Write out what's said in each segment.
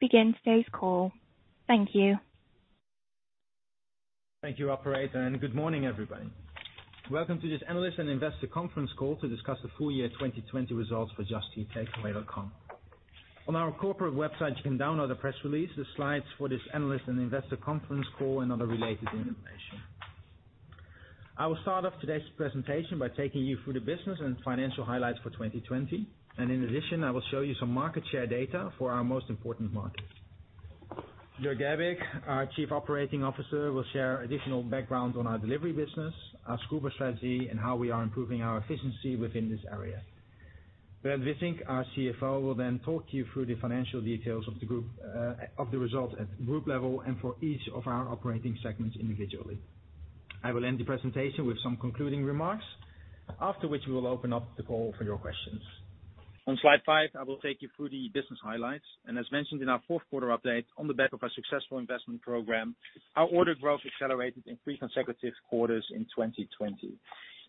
To begin today's call. Thank you. Thank you, Operator. Good morning everybody. Welcome to this Analyst and Investor Conference Call to discuss the Full Year 2020 Results for Just Eat Takeaway.com. On our corporate website, you can download the press release, the slides for this analyst and investor conference call, and other related information. I will start off today's presentation by taking you through the business and financial highlights for 2020. In addition, I will show you some market share data for our most important markets. Jörg Gerbig, our Chief Operating Officer, will share additional background on our delivery business, our Scoober strategy, and how we are improving our efficiency within this area. Brent Wissink, our CFO, will then talk you through the financial details of the results at group level and for each of our operating segments individually. I will end the presentation with some concluding remarks, after which we will open up the call for your questions. On slide five, I will take you through the business highlights. As mentioned in our Q4 update, on the back of our successful investment program, our order growth accelerated in three consecutive quarters in 2020.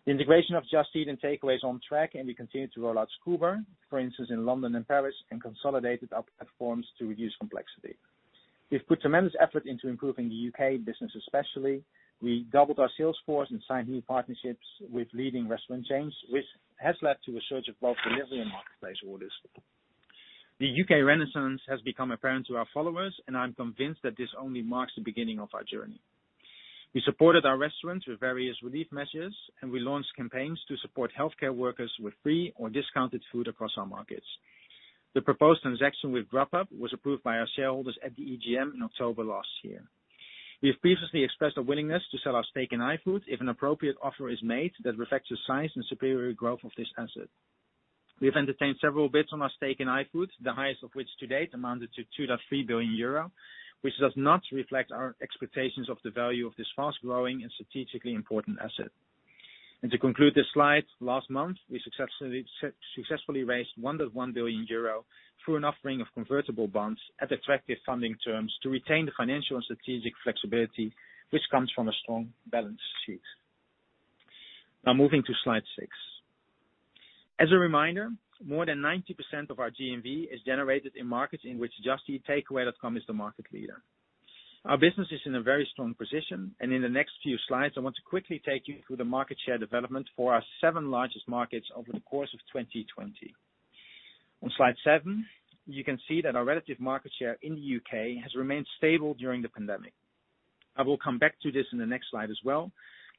The integration of Just Eat and Takeaway.com is on track, and we continue to roll out Scoober, for instance, in London and Paris, and consolidated our platforms to reduce complexity. We've put tremendous effort into improving the U.K. business, especially. We doubled our sales force and signed new partnerships with leading restaurant chains, which has led to a surge of both delivery and marketplace orders. The U.K. renaissance has become apparent to our followers, and I'm convinced that this only marks the beginning of our journey. We supported our restaurants with various relief measures, and we launched campaigns to support healthcare workers with free or discounted food across our markets. The proposed transaction with Grubhub was approved by our shareholders at the EGM in October last year. We have previously expressed a willingness to sell our stake in iFood if an appropriate offer is made that reflects the size and superior growth of this asset. We have entertained several bids on our stake in iFood, the highest of which to date amounted to 2 billion-3 billion euro, which does not reflect our expectations of the value of this fast-growing and strategically important asset. To conclude this slide, last month, we successfully raised 1.1 billion euro through an offering of convertible bonds at attractive funding terms to retain the financial and strategic flexibility which comes from a strong balance sheet. Now moving to slide six. As a reminder, more than 90% of our GMV is generated in markets in which Just Eat Takeaway.com is the market leader. Our business is in a very strong position. In the next few slides, I want to quickly take you through the market share development for our seven largest markets over the course of 2020. On slide seven, you can see that our relative market share in the U.K. has remained stable during the pandemic. I will come back to this in the next slide as well,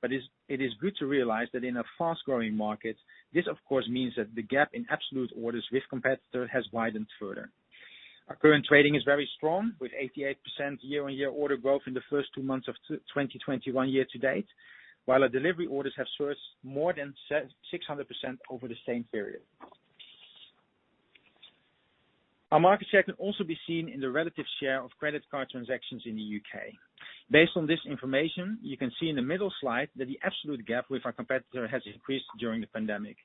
but it is good to realize that in a fast-growing market, this of course means that the gap in absolute orders with competitor has widened further. Our current trading is very strong, with 88% year-on-year order growth in the first two months of 2021 year-to-date, while our delivery orders have surged more than 600% over the same period. Our market share can also be seen in the relative share of credit card transactions in the U.K. Based on this information, you can see in the middle slide that the absolute gap with our competitor has increased during the pandemic.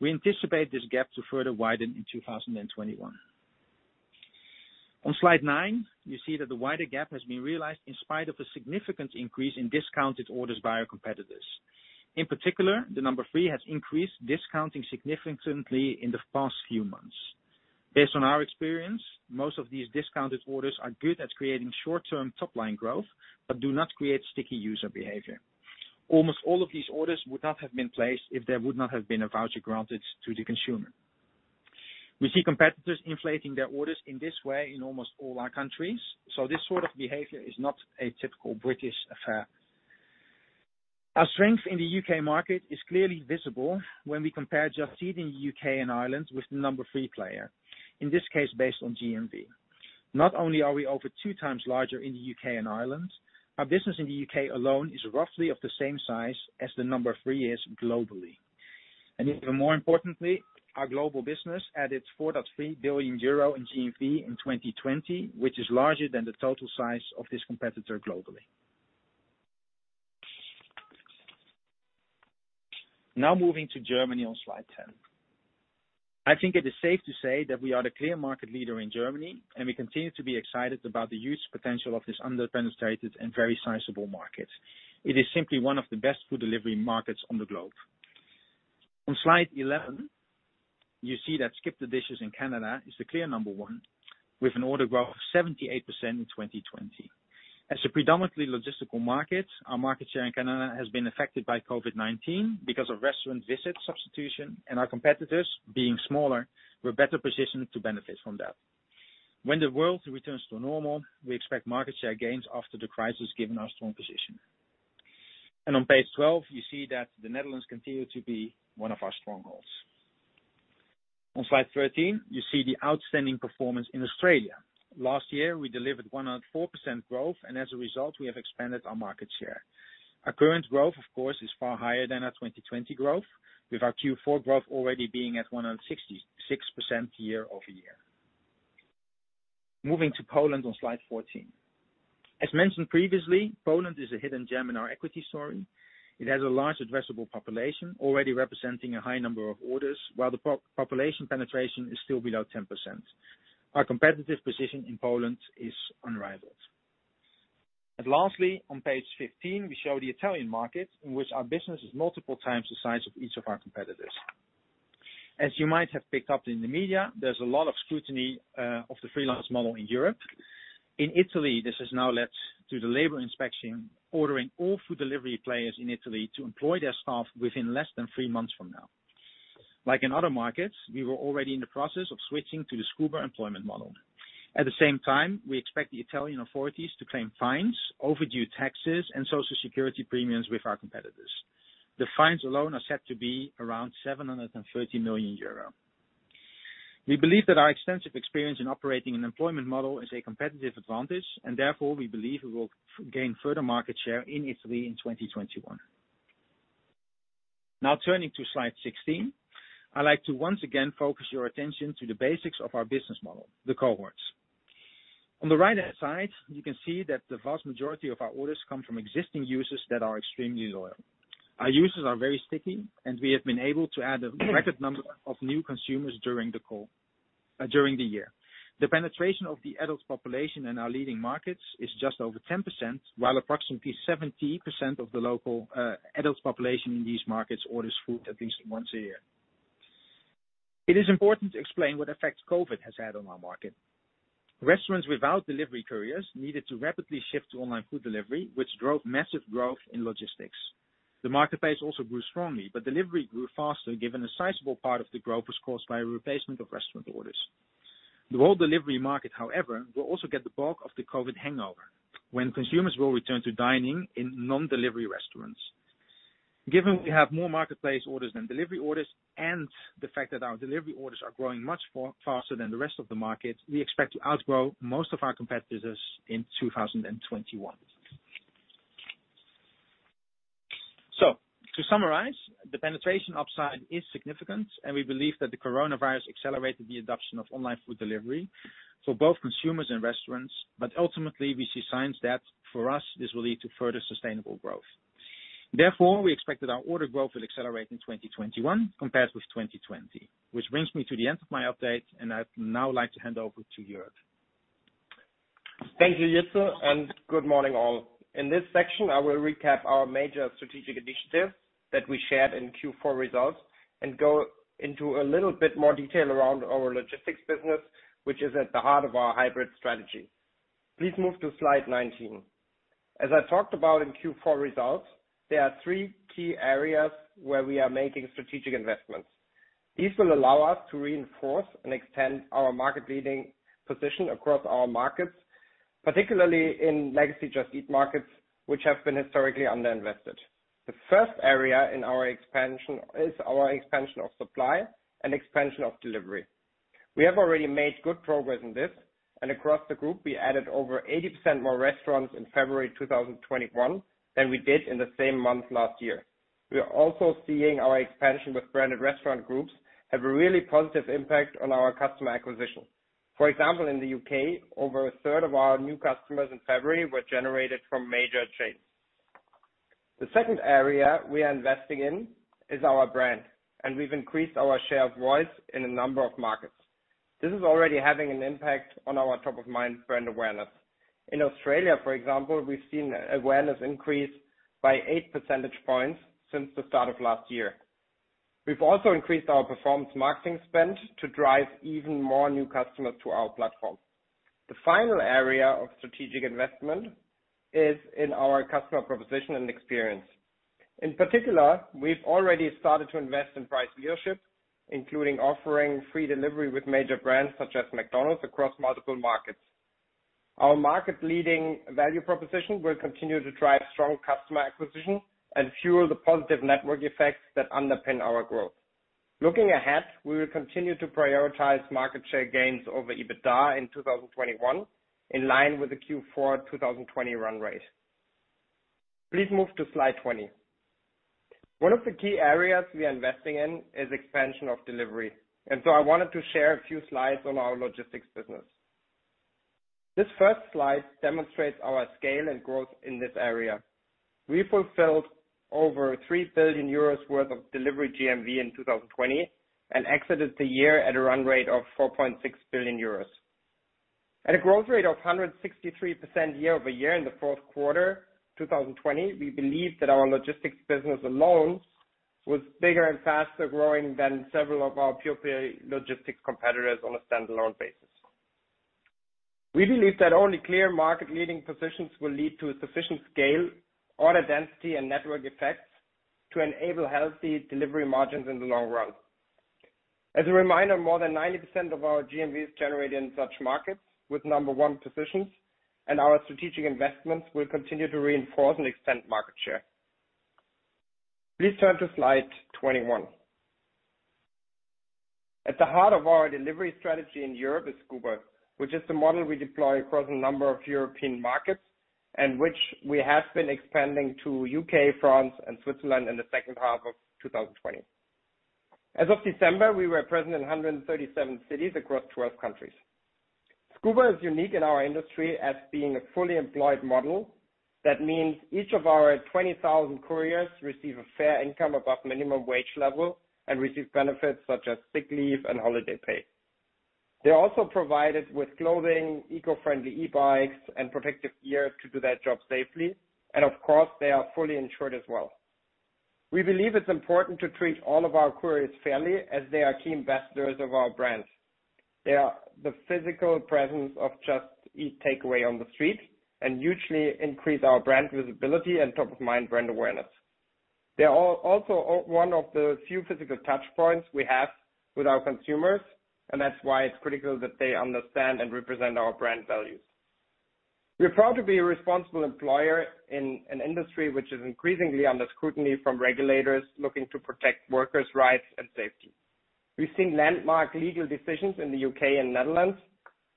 We anticipate this gap to further widen in 2021. On slide nine, you see that the wider gap has been realized in spite of a significant increase in discounted orders by our competitors. In particular, the number three has increased discounting significantly in the past few months. Based on our experience, most of these discounted orders are good at creating short-term top-line growth, but do not create sticky user behavior. Almost all of these orders would not have been placed if there would not have been a voucher granted to the consumer. We see competitors inflating their orders in this way in almost all our countries, so this sort of behavior is not a typical British affair. Our strength in the U.K. market is clearly visible when we compare Just Eat in the U.K. and Ireland with the number three player, in this case, based on GMV. Not only are we over two times larger in the U.K. and Ireland, our business in the U.K. alone is roughly of the same size as the number three is globally. Even more importantly, our global business added 4.3 billion euro in GMV in 2020, which is larger than the total size of this competitor globally. Moving to Germany on slide 10. I think it is safe to say that we are the clear market leader in Germany, and we continue to be excited about the huge potential of this under-penetrated and very sizable market. It is simply one of the best food delivery markets on the globe. On slide 11, you see that SkipTheDishes in Canada is the clear number one, with an order growth of 78% in 2020. As a predominantly logistical market, our market share in Canada has been affected by COVID-19 because of restaurant visit substitution, and our competitors, being smaller, were better positioned to benefit from that. When the world returns to normal, we expect market share gains after the crisis, given our strong position. On page 12, you see that the Netherlands continue to be one of our strongholds. On slide 13, you see the outstanding performance in Australia. Last year, we delivered 104% growth, and as a result, we have expanded our market share. Our current growth, of course, is far higher than our 2020 growth, with our Q4 growth already being at 166% year-over-year. Moving to Poland on slide 14. As mentioned previously, Poland is a hidden gem in our equity story. It has a large addressable population, already representing a high number of orders, while the population penetration is still below 10%. Our competitive position in Poland is unrivaled. Lastly, on page 15, we show the Italian market, in which our business is multiple times the size of each of our competitors. As you might have picked up in the media, there's a lot of scrutiny of the freelance model in Europe. In Italy, this has now led to the labor inspection, ordering all food delivery players in Italy to employ their staff within less than three months from now. Like in other markets, we were already in the process of switching to the Scoober employment model. At the same time, we expect the Italian authorities to claim fines, overdue taxes, and social security premiums with our competitors. The fines alone are set to be around 730 million euro. We believe that our extensive experience in operating an employment model is a competitive advantage, and therefore, we believe we will gain further market share in Italy in 2021. Turning to slide 16, I'd like to once again focus your attention to the basics of our business model, the cohorts. On the right-hand side, you can see that the vast majority of our orders come from existing users that are extremely loyal. Our users are very sticky, and we have been able to add a record number of new consumers during the year. The penetration of the adult population in our leading markets is just over 10%, while approximately 70% of the local adult population in these markets orders food at least once a year. It is important to explain what effect COVID has had on our market. Restaurants without delivery couriers needed to rapidly shift to online food delivery, which drove massive growth in logistics. The marketplace also grew strongly, but delivery grew faster given a sizable part of the growth was caused by a replacement of restaurant orders. The world delivery market, however, will also get the bulk of the COVID hangover when consumers will return to dining in non-delivery restaurants. Given we have more marketplace orders than delivery orders, and the fact that our delivery orders are growing much faster than the rest of the market, we expect to outgrow most of our competitors in 2021. To summarize, the penetration upside is significant, and we believe that the coronavirus accelerated the adoption of online food delivery for both consumers and restaurants. Ultimately, we see signs that for us, this will lead to further sustainable growth. Therefore, we expect that our order growth will accelerate in 2021 compared with 2020. Which brings me to the end of my update, and I'd now like to hand over to Jörg. Thank you, Jitse, and good morning all. In this section, I will recap our major strategic initiatives that we shared in Q4 results and go into a little bit more detail around our logistics business, which is at the heart of our hybrid strategy. Please move to slide 19. As I talked about in Q4 results, there are three key areas where we are making strategic investments. These will allow us to reinforce and extend our market-leading position across our markets, particularly in legacy Just Eat markets, which have been historically under-invested. The first area in our expansion is our expansion of supply and expansion of delivery. We have already made good progress in this, and across the group, we added over 80% more restaurants in February 2021 than we did in the same month last year. We are also seeing our expansion with branded restaurant groups have a really positive impact on our customer acquisition. For example, in the U.K., over a third of our new customers in February were generated from major chains. The second area we are investing in is our brand, and we've increased our share of voice in a number of markets. This is already having an impact on our top of mind brand awareness. In Australia, for example, we've seen awareness increase by 8 percentage points since the start of last year. We've also increased our performance marketing spend to drive even more new customers to our platform. The final area of strategic investment is in our customer proposition and experience. In particular, we've already started to invest in price leadership, including offering free delivery with major brands such as McDonald's across multiple markets. Our market leading value proposition will continue to drive strong customer acquisition and fuel the positive network effects that underpin our growth. Looking ahead, we will continue to prioritize market share gains over EBITDA in 2021, in line with the Q4 2020 run rate. Please move to slide 20. One of the key areas we are investing in is expansion of delivery. I wanted to share a few slides on our logistics business. This first slide demonstrates our scale and growth in this area. We fulfilled over 3 billion euros worth of delivery GMV in 2020, and exited the year at a run rate of 4.6 billion euros. At a growth rate of 163% year-over-year in the Q4 2020, we believe that our logistics business alone was bigger and faster growing than several of our pure play logistics competitors on a standalone basis. We believe that only clear market leading positions will lead to a sufficient scale, order density, and network effects to enable healthy delivery margins in the long run. As a reminder, more than 90% of our GMV is generated in such markets with number one positions, and our strategic investments will continue to reinforce and extend market share. Please turn to slide 21. At the heart of our delivery strategy in Europe is Scoober, which is the model we deploy across a number of European markets, and which we have been expanding to U.K., France, and Switzerland in the second half of 2020. As of December, we were present in 137 cities across 12 countries. Scoober is unique in our industry as being a fully employed model. That means each of our 20,000 couriers receive a fair income above minimum wage level and receive benefits such as sick leave and holiday pay. They're also provided with clothing, eco-friendly e-bikes, and protective gear to do that job safely. Of course, they are fully insured as well. We believe it's important to treat all of our couriers fairly as they are key investors of our brand. They are the physical presence of Just Eat Takeaway on the street and usually increase our brand visibility and top of mind brand awareness. They are also one of the few physical touchpoints we have with our consumers, and that's why it's critical that they understand and represent our brand values. We're proud to be a responsible employer in an industry which is increasingly under scrutiny from regulators looking to protect workers' rights and safety. We've seen landmark legal decisions in the U.K. and Netherlands,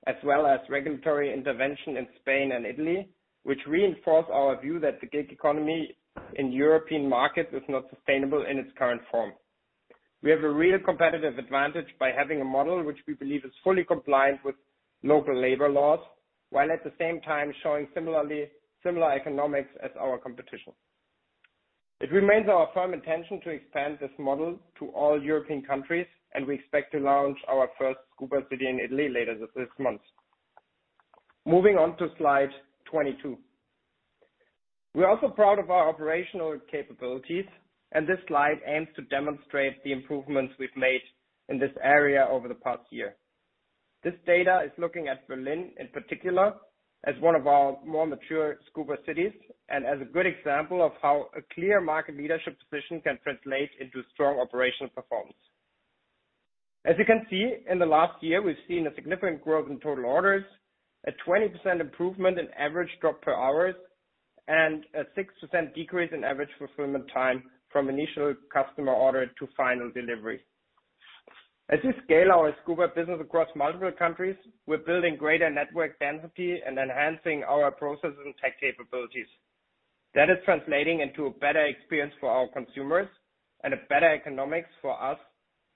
as well as regulatory intervention in Spain and Italy, which reinforce our view that the gig economy in European markets is not sustainable in its current form. We have a real competitive advantage by having a model which we believe is fully compliant with local labor laws, while at the same time showing similar economics as our competition. It remains our firm intention to expand this model to all European countries, and we expect to launch our first Scoober city in Italy later this month. Moving on to slide 22. We're also proud of our operational capabilities, and this slide aims to demonstrate the improvements we've made in this area over the past year. This data is looking at Berlin in particular as one of our more mature Scoober cities, and as a good example of how a clear market leadership position can translate into strong operational performance. As you can see, in the last year, we've seen a significant growth in total orders, a 20% improvement in average drop per hours, and a 6% decrease in average fulfillment time from initial customer order to final delivery. As we scale our Scoober business across multiple countries, we're building greater network density and enhancing our process and tech capabilities. That is translating into a better experience for our consumers and a better economics for us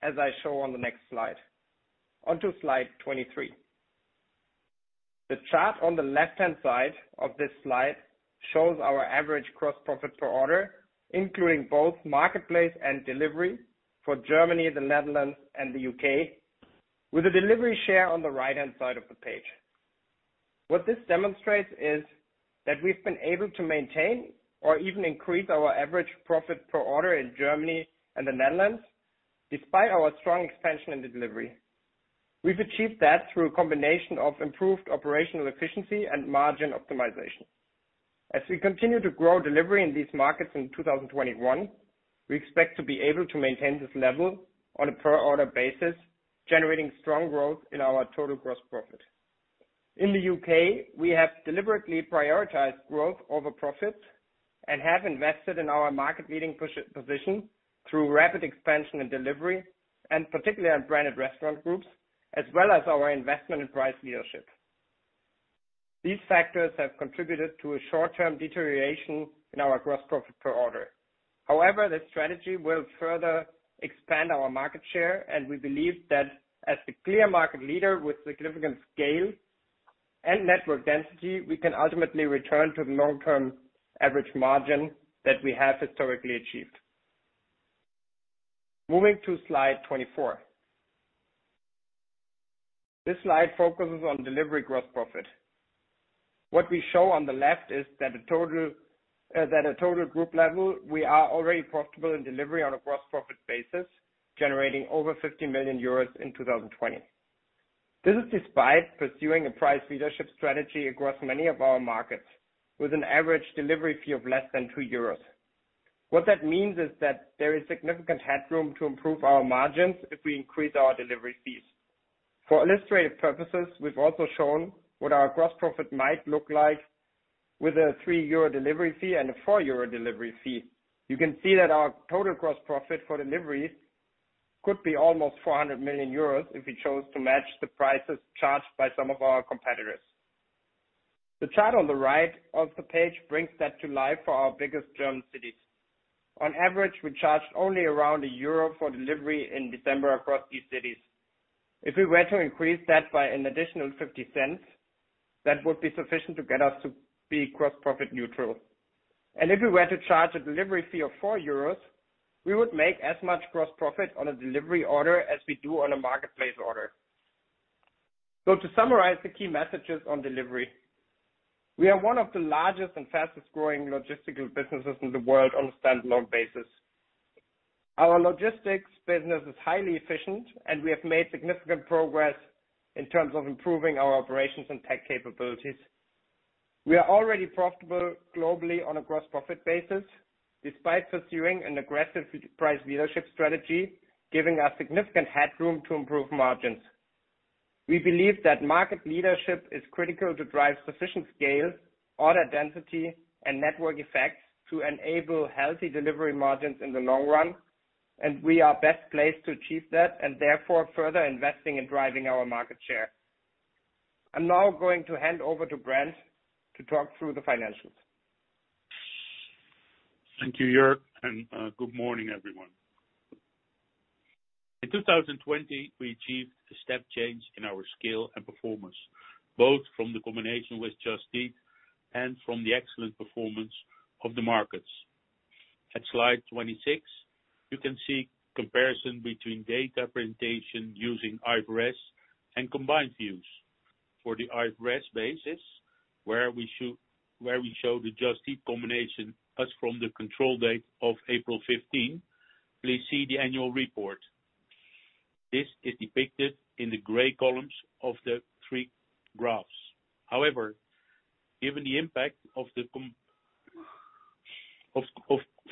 as I show on the next slide. Onto slide 23. The chart on the left-hand side of this slide shows our average gross profit per order, including both marketplace and delivery for Germany, the Netherlands, and the U.K., with a delivery share on the right-hand side of the page. What this demonstrates is that we've been able to maintain or even increase our average profit per order in Germany and the Netherlands, despite our strong expansion in delivery. We've achieved that through a combination of improved operational efficiency and margin optimization. As we continue to grow delivery in these markets in 2021, we expect to be able to maintain this level on a per order basis, generating strong growth in our total gross profit. In the U.K., we have deliberately prioritized growth over profit and have invested in our market leading position through rapid expansion and delivery, and particularly on branded restaurant groups, as well as our investment in price leadership. These factors have contributed to a short-term deterioration in our gross profit per order. However, this strategy will further expand our market share, and we believe that as the clear market leader with significant scale and network density, we can ultimately return to the long-term average margin that we have historically achieved. Moving to slide 24. This slide focuses on delivery gross profit. What we show on the left is that at total group level, we are already profitable in delivery on a gross profit basis, generating over 50 million euros in 2020. This is despite pursuing a price leadership strategy across many of our markets with an average delivery fee of less than 2 euros. What that means is that there is significant headroom to improve our margins if we increase our delivery fees. For illustrative purposes, we've also shown what our gross profit might look like with a 3 euro delivery fee and a 4 euro delivery fee. You can see that our total gross profit for deliveries could be almost 400 million euros if we chose to match the prices charged by some of our competitors. The chart on the right of the page brings that to life for our biggest German cities. On average, we charged only around EUR 1 for delivery in December across these cities. If we were to increase that by an additional 0.50, that would be sufficient to get us to be gross profit neutral. If we were to charge a delivery fee of 4 euros, we would make as much gross profit on a delivery order as we do on a marketplace order. To summarize the key messages on delivery, we are one of the largest and fastest growing logistical businesses in the world on a standalone basis. Our logistics business is highly efficient, and we have made significant progress in terms of improving our operations and tech capabilities. We are already profitable globally on a gross profit basis despite pursuing an aggressive price leadership strategy, giving us significant headroom to improve margins. We believe that market leadership is critical to drive sufficient scale, order density, and network effects to enable healthy delivery margins in the long run, and we are best placed to achieve that, and therefore further investing in driving our market share. I'm now going to hand over to Brent to talk through the financials. Thank you, Jörg. Good morning, everyone. In 2020, we achieved a step change in our scale and performance, both from the combination with Just Eat and from the excellent performance of the markets. At slide 26, you can see comparison between data presentation using IFRS and combined views. For the IFRS basis, where we show the Just Eat combination as from the control date of April 15, please see the annual report. This is depicted in the gray columns of the three graphs. However, given the impact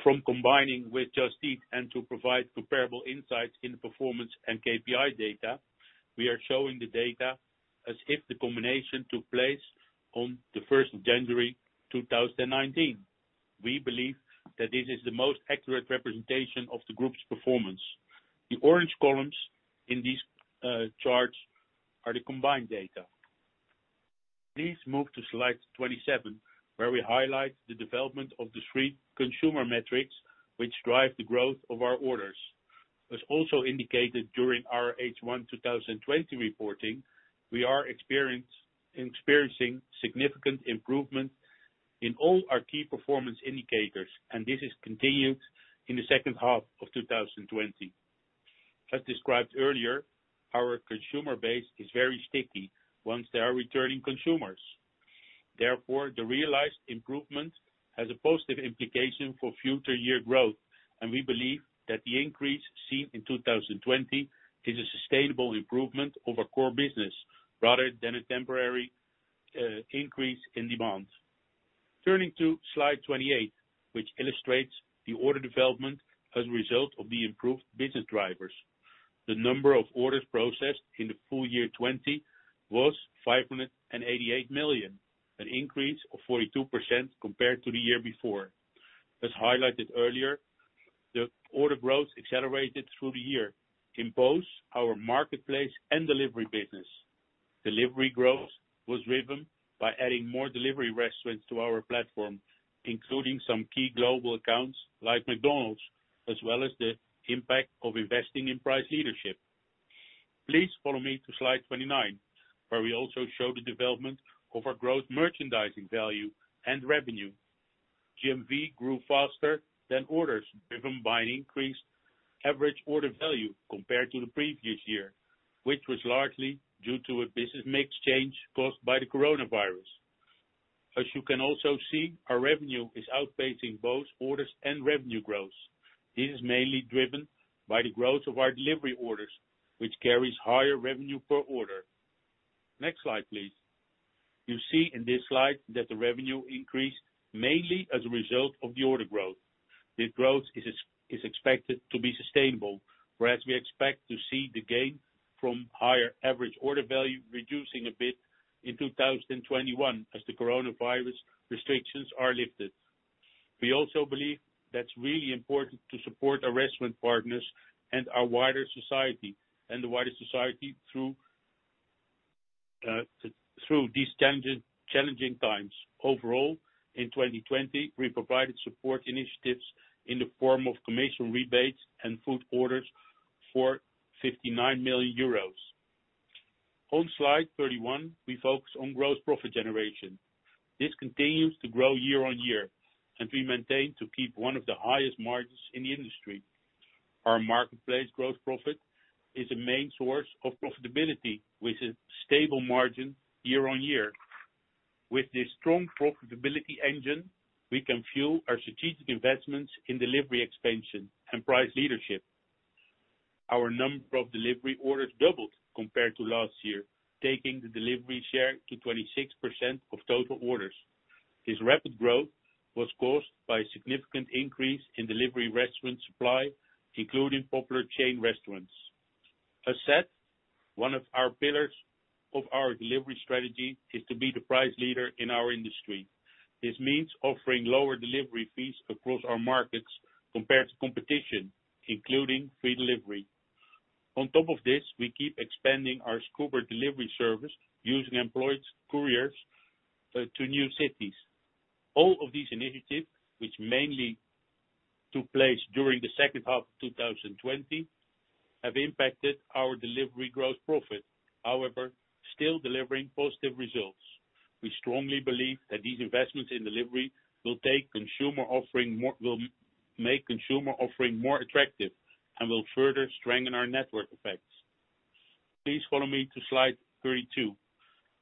from combining with Just Eat and to provide comparable insights in performance and KPI data, we are showing the data as if the combination took place on the 1st of January 2019. We believe that this is the most accurate representation of the group's performance. The orange columns in this chart are the combined data. Please move to slide 27, where we highlight the development of the three consumer metrics which drive the growth of our orders. As also indicated during our H1 2020 reporting, we are experiencing significant improvement in all our Key Performance Indicators, this is continued in the second half of 2020. As described earlier, our consumer base is very sticky once they are returning consumers. Therefore, the realized improvement has a positive implication for future year growth, and we believe that the increase seen in 2020 is a sustainable improvement of our core business rather than a temporary increase in demand. Turning to slide 28, which illustrates the order development as a result of the improved business drivers. The number of orders processed in the full year 2020 was 588 million, an increase of 42% compared to the year before. As highlighted earlier, the order growth accelerated through the year in both our marketplace and delivery business. Delivery growth was driven by adding more delivery restaurants to our platform, including some key global accounts like McDonald's, as well as the impact of investing in price leadership. Please follow me to slide 29, where we also show the development of our gross merchandising value and revenue. GMV grew faster than orders, driven by an increased average order value compared to the previous year, which was largely due to a business mix change caused by the coronavirus. As you can also see, our revenue is outpacing both orders and GMV growth. This is mainly driven by the growth of our delivery orders, which carries higher revenue per order. Next slide, please. You see in this slide that the revenue increased mainly as a result of the order growth. This growth is expected to be sustainable, whereas we expect to see the gain from higher average order value reducing a bit in 2021 as the coronavirus restrictions are lifted. We also believe that it's really important to support our restaurant partners and the wider society through these challenging times. Overall, in 2020, we provided support initiatives in the form of commission rebates and food orders for 59 million euros. On slide 31, we focus on gross profit generation. This continues to grow year-on-year, and we maintain to keep one of the highest margins in the industry. Our marketplace gross profit is a main source of profitability, with a stable margin year-on-year. With this strong profitability engine, we can fuel our strategic investments in delivery expansion and price leadership. Our number of delivery orders doubled compared to last year, taking the delivery share to 26% of total orders. This rapid growth was caused by a significant increase in delivery restaurant supply, including popular chain restaurants. As said, one of our pillars of our delivery strategy is to be the price leader in our industry. This means offering lower delivery fees across our markets compared to competition, including free delivery. On top of this, we keep expanding our Scoober delivery service using employed couriers to new cities. All of these initiatives, which mainly took place during the second half of 2020, have impacted our delivery gross profit, however, still delivering positive results. We strongly believe that these investments in delivery will make consumer offering more attractive and will further strengthen our network effects. Please follow me to slide 32,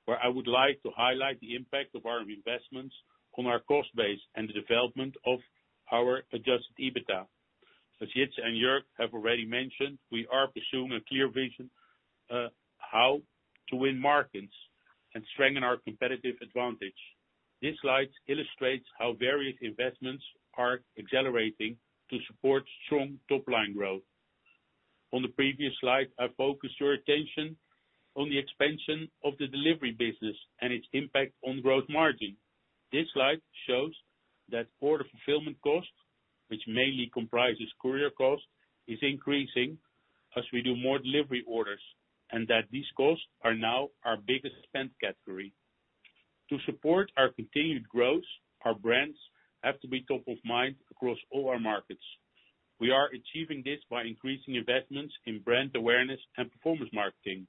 where I would like to highlight the impact of our investments on our cost base and the development of our Adjusted EBITDA. As Jitse and Jörg have already mentioned, we are pursuing a clear vision how to win markets and strengthen our competitive advantage. This slide illustrates how various investments are accelerating to support strong top-line growth. On the previous slide, I focused your attention on the expansion of the delivery business and its impact on gross margin. This slide shows that order fulfillment cost, which mainly comprises courier cost, is increasing as we do more delivery orders, and that these costs are now our biggest spend category. To support our continued growth, our brands have to be top of mind across all our markets. We are achieving this by increasing investments in brand awareness and performance marketing.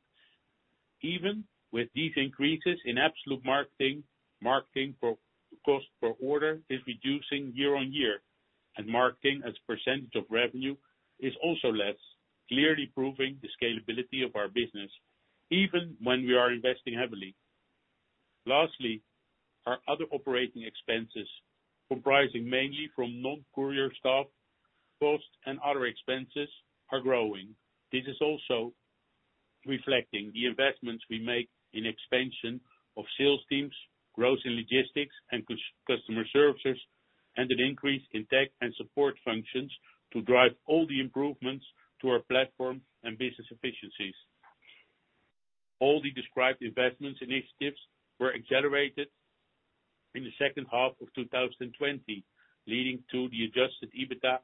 Even with these increases in absolute marketing cost per order is reducing year-on-year, and marketing as a percentage of revenue is also less, clearly proving the scalability of our business, even when we are investing heavily. Lastly, our other operating expenses, comprising mainly from non-courier staff costs and other expenses, are growing. This is also reflecting the investments we make in expansion of sales teams, growth in logistics and customer services, and an increase in tech and support functions to drive all the improvements to our platform and business efficiencies. All the described investments initiatives were accelerated in the second half of 2020, leading to the Adjusted EBITDA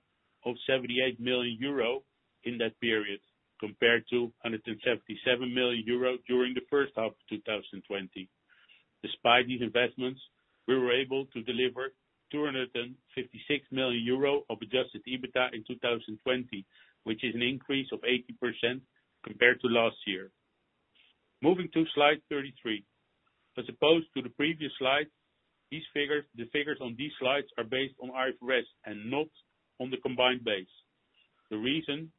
of 78 million euro in that period, compared to 177 million euro during the first half of 2020. Despite these investments, we were able to deliver 256 million euro of Adjusted EBITDA in 2020, which is an increase of 80% compared to last year. Moving to slide 33. As opposed to the previous slide, the figures on these slides are based on IFRS and not on the combined base. The reason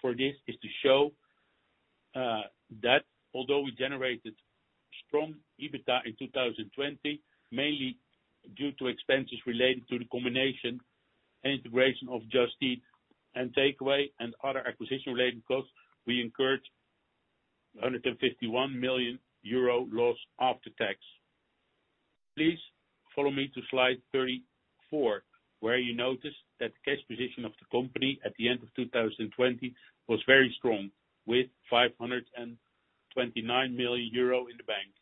for this is to show that although we generated strong EBITDA in 2020, mainly due to expenses related to the combination and integration of Just Eat and Takeaway and other acquisition-related costs, we incurred a 151 million euro loss after tax. Please follow me to slide 34, where you notice that the cash position of the company at the end of 2020 was very strong with 529 million euro in the bank.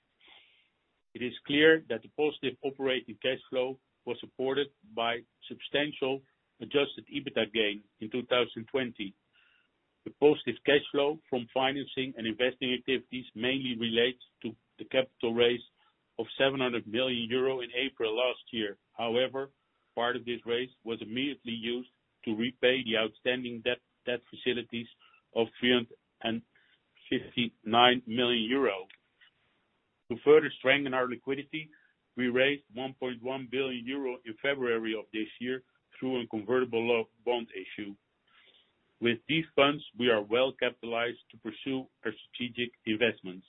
It is clear that the positive operating cash flow was supported by substantial Adjusted EBITDA gain in 2020. The positive cash flow from financing and investing activities mainly relates to the capital raise of 700 million euro in April last year. However, part of this raise was immediately used to repay the outstanding debt facilities of 359 million euros. To further strengthen our liquidity, we raised 1.1 billion euro in February of this year through a convertible bond issue. With these funds, we are well capitalized to pursue our strategic investments.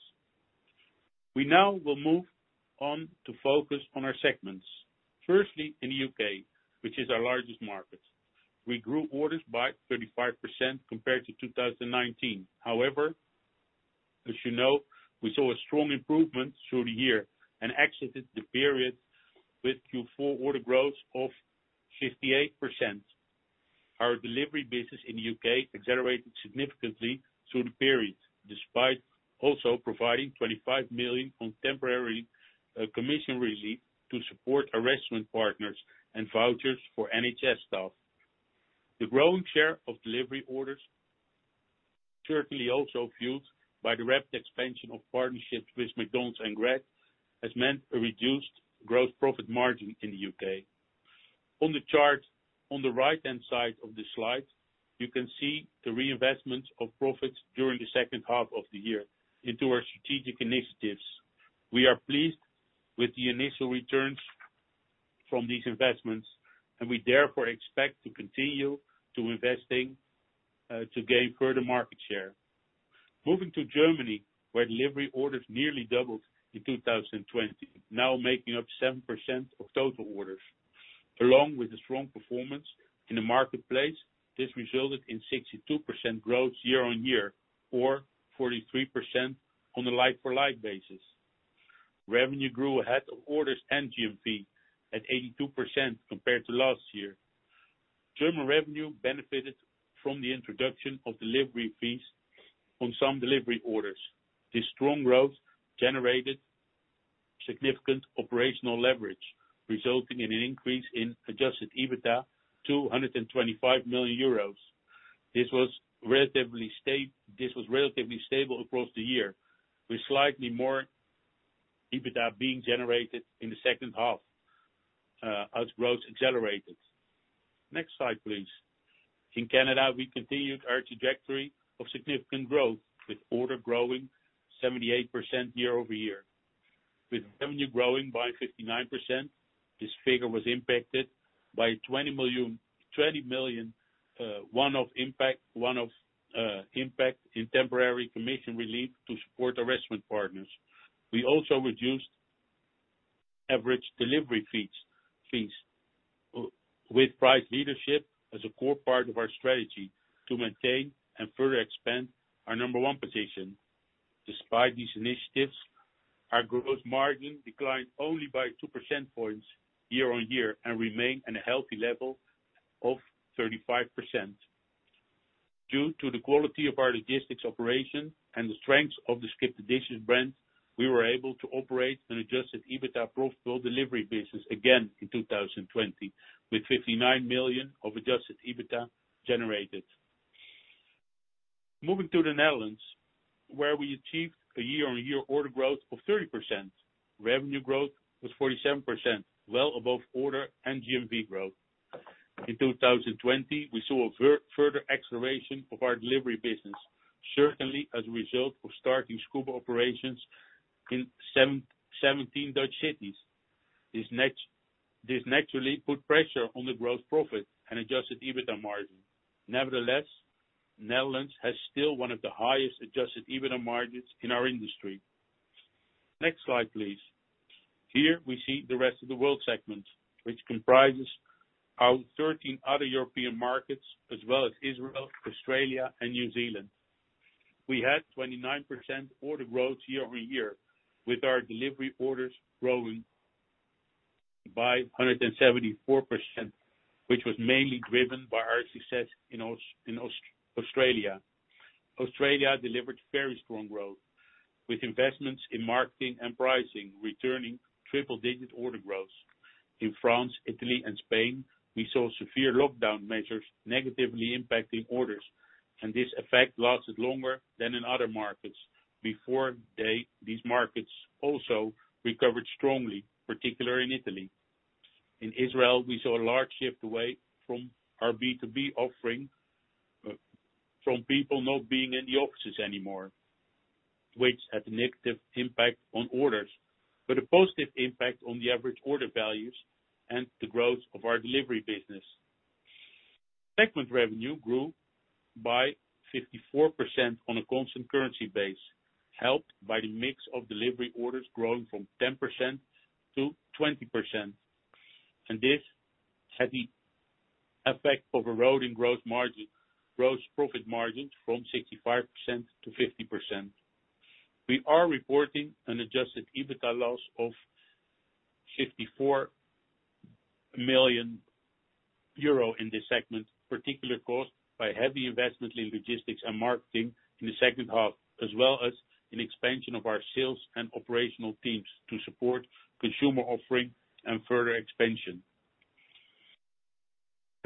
We now will move on to focus on our segments. Firstly, in the U.K., which is our largest market. We grew orders by 35% compared to 2019. However, as you know, we saw a strong improvement through the year and exited the period with Q4 order growth of 58%. Our delivery business in the U.K. accelerated significantly through the period, despite also providing 25 million on temporary commission relief to support our restaurant partners and vouchers for NHS staff. The growing share of delivery orders, certainly also fueled by the rapid expansion of partnerships with McDonald's and Greggs, has meant a reduced gross profit margin in the U.K. On the chart on the right-hand side of the slide, you can see the reinvestment of profits during the second half of the year into our strategic initiatives. We are pleased with the initial returns from these investments, and we therefore expect to continue to investing to gain further market share. Moving to Germany, where delivery orders nearly doubled in 2020, now making up 7% of total orders. Along with the strong performance in the marketplace, this resulted in 62% growth year-on-year or 43% on a like-for-like basis. Revenue grew ahead of orders and GMV at 82% compared to last year. German revenue benefited from the introduction of delivery fees on some delivery orders. This strong growth generated significant operational leverage, resulting in an increase in Adjusted EBITDA to 125 million euros. This was relatively stable across the year, with slightly more EBITDA being generated in the second half as growth accelerated. Next slide, please. In Canada, we continued our trajectory of significant growth, with order growing 78% year-over-year. With revenue growing by 59%, this figure was impacted by 20 million one-off impact in temporary commission relief to support our restaurant partners. We also reduced average delivery fees with price leadership as a core part of our strategy to maintain and further expand our number one position. Despite these initiatives, our gross margin declined only by 2% points year-on-year and remained at a healthy level of 35%. Due to the quality of our logistics operation and the strength of the SkipTheDishes brand, we were able to operate an Adjusted EBITDA profitable delivery business again in 2020, with 59 million of Adjusted EBITDA generated. Moving to the Netherlands, where we achieved a year-on-year order growth of 30%. Revenue growth was 47%, well above order and GMV growth. In 2020, we saw a further acceleration of our delivery business, certainly as a result of starting Scoober operations in 17 Dutch cities. This naturally put pressure on the gross profit and Adjusted EBITDA margin. Nevertheless, Netherlands has still one of the highest Adjusted EBITDA margins in our industry. Next slide, please. Here we see the rest of the world segment, which comprises our 13 other European markets, as well as Israel, Australia, and New Zealand. We had 29% order growth year-over-year, with our delivery orders growing by 174%, which was mainly driven by our success in Australia. Australia delivered very strong growth, with investments in marketing and pricing returning triple-digit order growth. In France, Italy, and Spain, we saw severe lockdown measures negatively impacting orders, and this effect lasted longer than in other markets. Before these markets also recovered strongly, particularly in Italy. In Israel, we saw a large shift away from our B2B offering from people not being in the offices anymore, which had a negative impact on orders, but a positive impact on the average order values and the growth of our delivery business. Segment revenue grew by 54% on a constant currency base, helped by the mix of delivery orders growing from 10% to 20%. This had the effect of eroding gross profit margins from 65% to 50%. We are reporting an Adjusted EBITDA loss of 54 million euro in this segment, particularly caused by heavy investment in logistics and marketing in the second half, as well as an expansion of our sales and operational teams to support consumer offering and further expansion.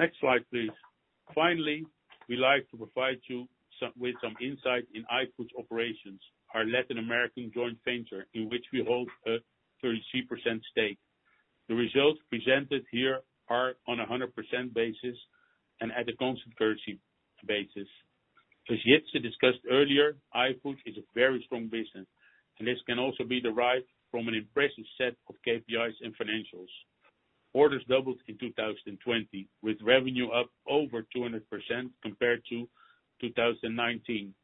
Next slide, please. We like to provide you with some insight in iFood's operations, our Latin American joint venture, in which we hold a 33% stake. The results presented here are on 100% basis and at a constant currency basis. As Jitse discussed earlier, iFood is a very strong business, and this can also be derived from an impressive set of KPIs and financials. Orders doubled in 2020, with revenue up over 200% compared to 2019.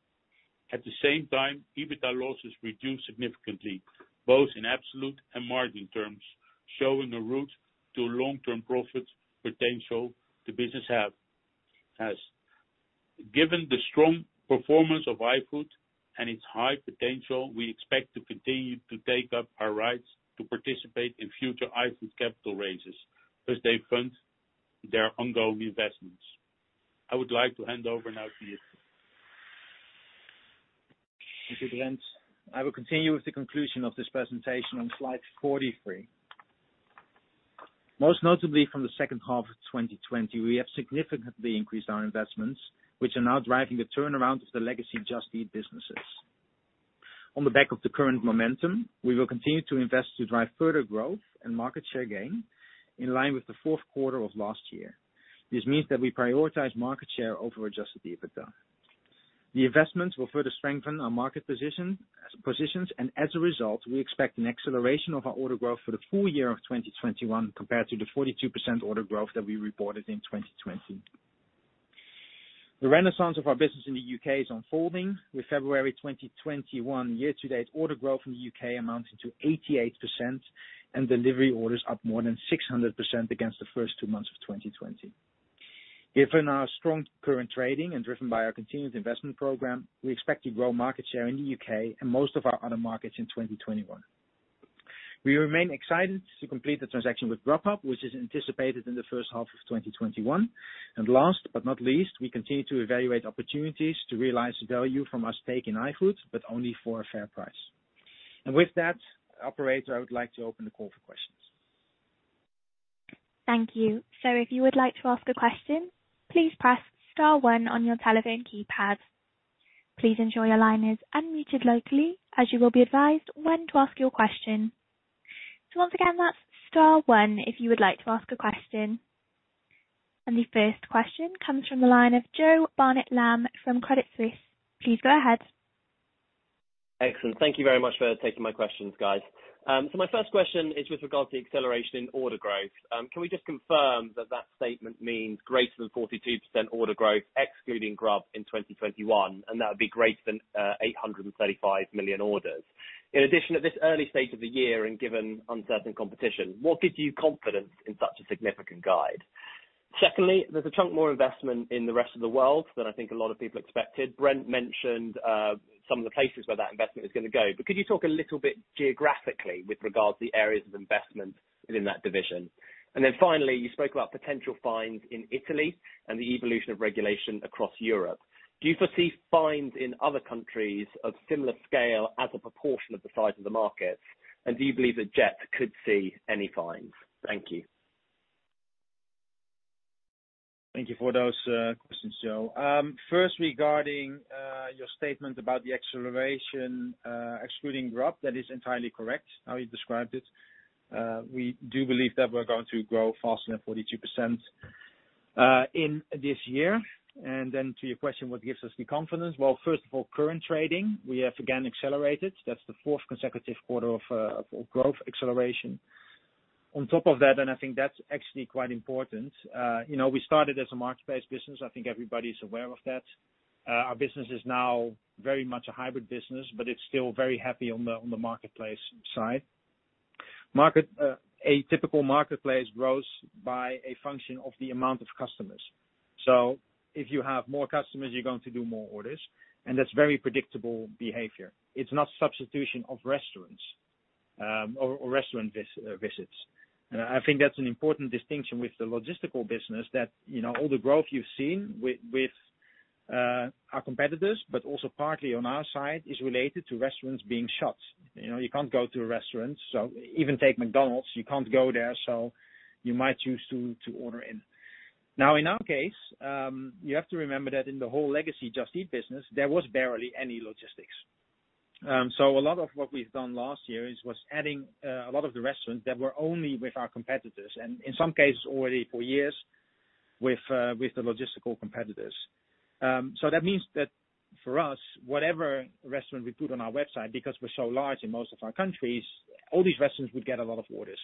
At the same time, EBITDA losses reduced significantly, both in absolute and margin terms, showing a route to long-term profit potential the business has. Given the strong performance of iFood and its high potential, we expect to continue to take up our rights to participate in future iFood capital raises as they fund their ongoing investments. I would like to hand over now to Jitse. Thank you, Brent. I will continue with the conclusion of this presentation on slide 43. Most notably from the second half of 2020, we have significantly increased our investments, which are now driving the turnaround of the legacy Just Eat businesses. On the back of the current momentum, we will continue to invest to drive further growth and market share gain in line with the Q4 of last year. This means that we prioritize market share over Adjusted EBITDA. The investments will further strengthen our market positions, and as a result, we expect an acceleration of our order growth for the full year of 2021 compared to the 42% order growth that we reported in 2020. The renaissance of our business in the U.K. is unfolding, with February 2021 year-to-date order growth in the U.K. amounting to 88% and delivery orders up more than 600% against the first two months of 2020. Given our strong current trading and driven by our continued investment program, we expect to grow market share in the U.K. and most of our other markets in 2021. We remain excited to complete the transaction with Grubhub, which is anticipated in the first half of 2021. Last but not least, we continue to evaluate opportunities to realize the value from our stake in iFood, but only for a fair price. With that, operator, I would like to open the call for questions. Thank you. If you would like to ask a question, please press star one on your telephone keypad. Please ensure your line is unmuted locally, as you will be advised when to ask your question. Once again, that's star one if you would like to ask a question. The first question comes from the line of Jo Barnet-Lamb from Credit Suisse. Please go ahead. Excellent. Thank you very much for taking my questions, guys. My first question is with regards to the acceleration in order growth. Can we just confirm that that statement means greater than 42% order growth excluding Grub in 2021, and that would be greater than 835 million orders? In addition, at this early stage of the year and given uncertain competition, what gives you confidence in such a significant guide? Secondly, there's a chunk more investment in the rest of the world than I think a lot of people expected. Brent mentioned some of the places where that investment is going to go. Could you talk a little bit geographically with regards to the areas of investment within that division? Finally, you spoke about potential fines in Italy and the evolution of regulation across Europe. Do you foresee fines in other countries of similar scale as a proportion of the size of the market, and do you believe that Just could see any fines? Thank you. Thank you for those questions, Jo. Regarding your statement about the acceleration excluding growth, that is entirely correct how you described it. We do believe that we're going to grow faster than 42% in this year. To your question, what gives us the confidence? Well, first of all, current trading, we have again accelerated. That's the fourth consecutive quarter of growth acceleration. On top of that, I think that's actually quite important. We started as a marketplace business. I think everybody's aware of that. Our business is now very much a hybrid business, it's still very heavy on the marketplace side. A typical marketplace grows by a function of the amount of customers. If you have more customers, you're going to do more orders, that's very predictable behavior. It's not substitution of restaurants or restaurant visits. I think that's an important distinction with the logistical business that all the growth you've seen with our competitors, but also partly on our side, is related to restaurants being shut. You can't go to a restaurant. Even take McDonald's, you can't go there, so you might choose to order in. In our case, you have to remember that in the whole legacy Just Eat business, there was barely any logistics. A lot of what we've done last year was adding a lot of the restaurants that were only with our competitors, and in some cases already for years with the logistical competitors. That means that for us, whatever restaurant we put on our website, because we're so large in most of our countries, all these restaurants would get a lot of orders.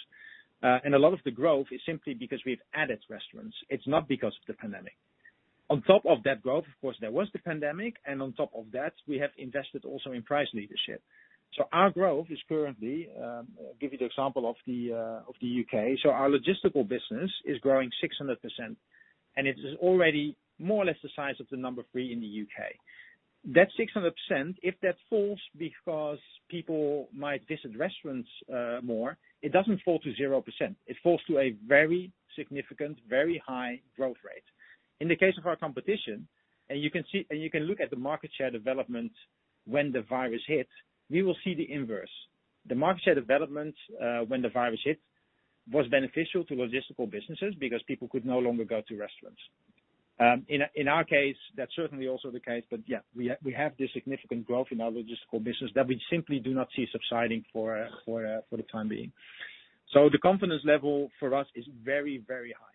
A lot of the growth is simply because we've added restaurants. It's not because of the pandemic. On top of that growth, of course, there was the pandemic, and on top of that, we have invested also in price leadership. Our growth is currently, give you the example of the U.K. Our logistical business is growing 600%, and it is already more or less the size of the number three in the U.K. That 600%, if that falls because people might visit restaurants more, it doesn't fall to 0%. It falls to a very significant, very high growth rate. In the case of our competition, and you can look at the market share development when the virus hits, we will see the inverse. The market share development when the virus hit was beneficial to logistical businesses because people could no longer go to restaurants. In our case, that's certainly also the case, yeah, we have this significant growth in our logistical business that we simply do not see subsiding for the time being. The confidence level for us is very high.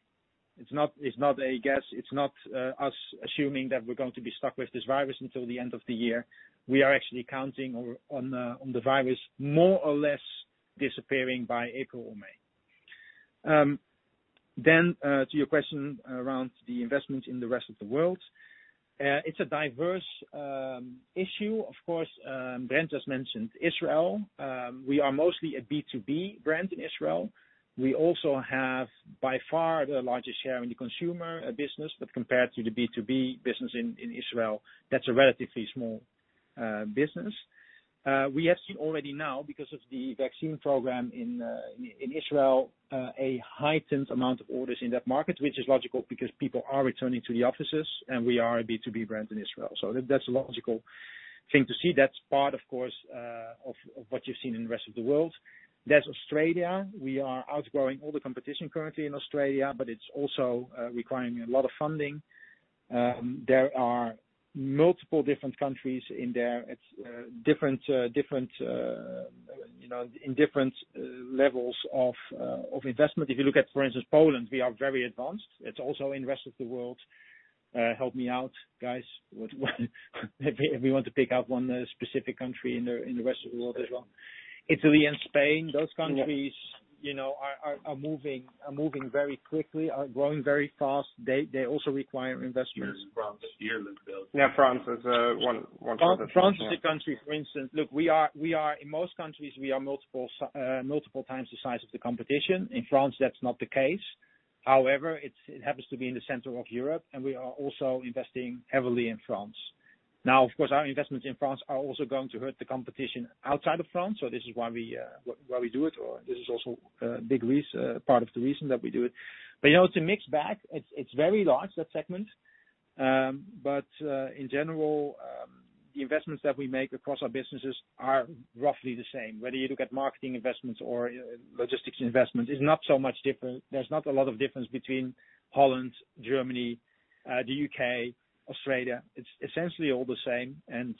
It's not a guess. It's not us assuming that we're going to be stuck with this virus until the end of the year. We are actually counting on the virus more or less disappearing by April or May. To your question around the investment in the rest of the world. It's a diverse issue, of course. Brent just mentioned Israel. We are mostly a B2B brand in Israel. We also have by far the largest share in the consumer business, but compared to the B2B business in Israel, that's a relatively small business. We have seen already now, because of the vaccine program in Israel, a heightened amount of orders in that market, which is logical because people are returning to the offices, and we are a B2B brand in Israel. That's a logical thing to see. That's part, of course, of what you've seen in the rest of the world. There's Australia. We are outgrowing all the competition currently in Australia, but it's also requiring a lot of funding. There are multiple different countries in there. In different levels of investment. If you look at, for instance, Poland, we are very advanced. It's also in rest of the world. Help me out, guys. If we want to pick out one specific country in the rest of the world as well. Italy and Spain, those countries are moving very quickly, are growing very fast. They also require investment. There's France here- Yeah, France is one. France is a country, for instance, look, in most countries, we are multiple times the size of the competition. In France, that's not the case. It happens to be in the center of Europe, and we are also investing heavily in France. Of course, our investments in France are also going to hurt the competition outside of France. This is why we do it, or this is also a big part of the reason that we do it. It's a mixed bag. It's very large, that segment. In general, the investments that we make across our businesses are roughly the same. Whether you look at marketing investments or logistics investment, it's not so much different. There's not a lot of difference between Holland, Germany, the U.K., Australia. It's essentially all the same, and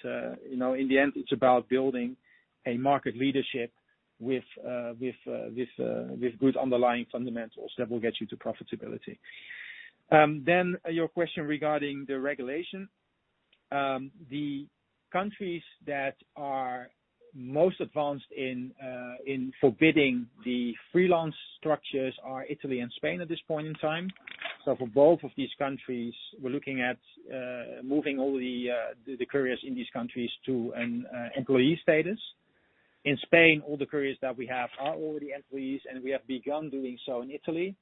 in the end, it's about building a market leadership with good underlying fundamentals that will get you to profitability. Your question regarding the regulation. The countries that are most advanced in forbidding the freelance structures are Italy and Spain at this point in time. For both of these countries, we're looking at moving all the couriers in these countries to an employee status. In Spain, all the couriers that we have are already employees, and we have begun doing so in Italy.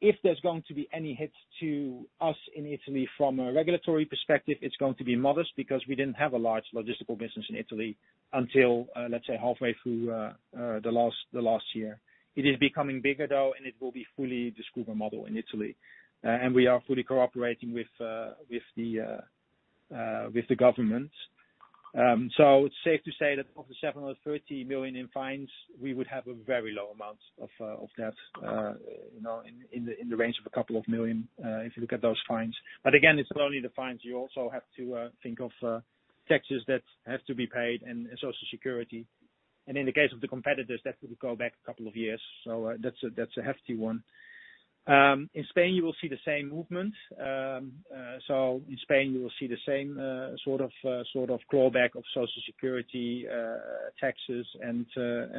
If there's going to be any hits to us in Italy from a regulatory perspective, it's going to be modest because we didn't have a large logistical business in Italy until, let's say, halfway through the last year. It is becoming bigger, though, and it will be fully the Scoober model in Italy, and we are fully cooperating with the government. It's safe to say that of the 730 million in fines, we would have a very low amount of that, in the range of a couple of million, if you look at those fines. Again, it's not only the fines. You also have to think of taxes that have to be paid and Social Security. In the case of the competitors, that would go back a couple of years. That's a hefty one. In Spain, you will see the same movement. In Spain, you will see the same sort of clawback of Social Security, taxes, and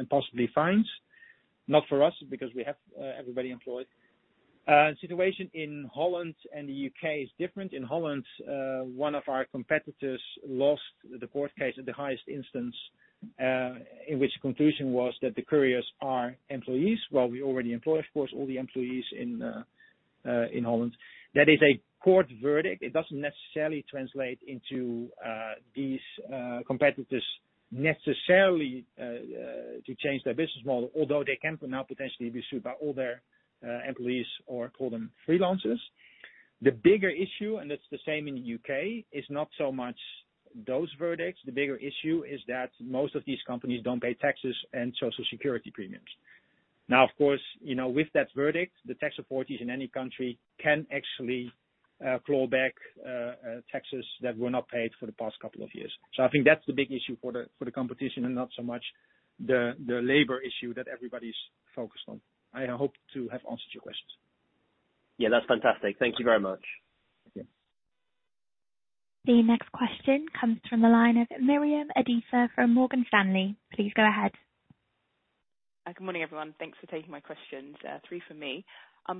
possibly fines. Not for us, because we have everybody employed. Situation in Holland and the U.K. is different. In Holland, one of our competitors lost the court case at the highest instance, in which the conclusion was that the couriers are employees, while we already employ, of course, all the employees in Holland. That is a court verdict. It doesn't necessarily translate into these competitors necessarily to change their business model, although they can now potentially be sued by all their employees, or call them freelancers. The bigger issue, and it's the same in the U.K., is not so much those verdicts. The bigger issue is that most of these companies don't pay taxes and Social Security premiums. Now, of course, with that verdict, the tax authorities in any country can actually claw back taxes that were not paid for the past couple of years. I think that's the big issue for the competition and not so much the labor issue that everybody's focused on. I hope to have answered your questions. Yeah, that's fantastic. Thank you very much. Okay. The next question comes from the line of Miriam Josiah from Morgan Stanley. Please go ahead. Good morning, everyone. Thanks for taking my questions. Three for me.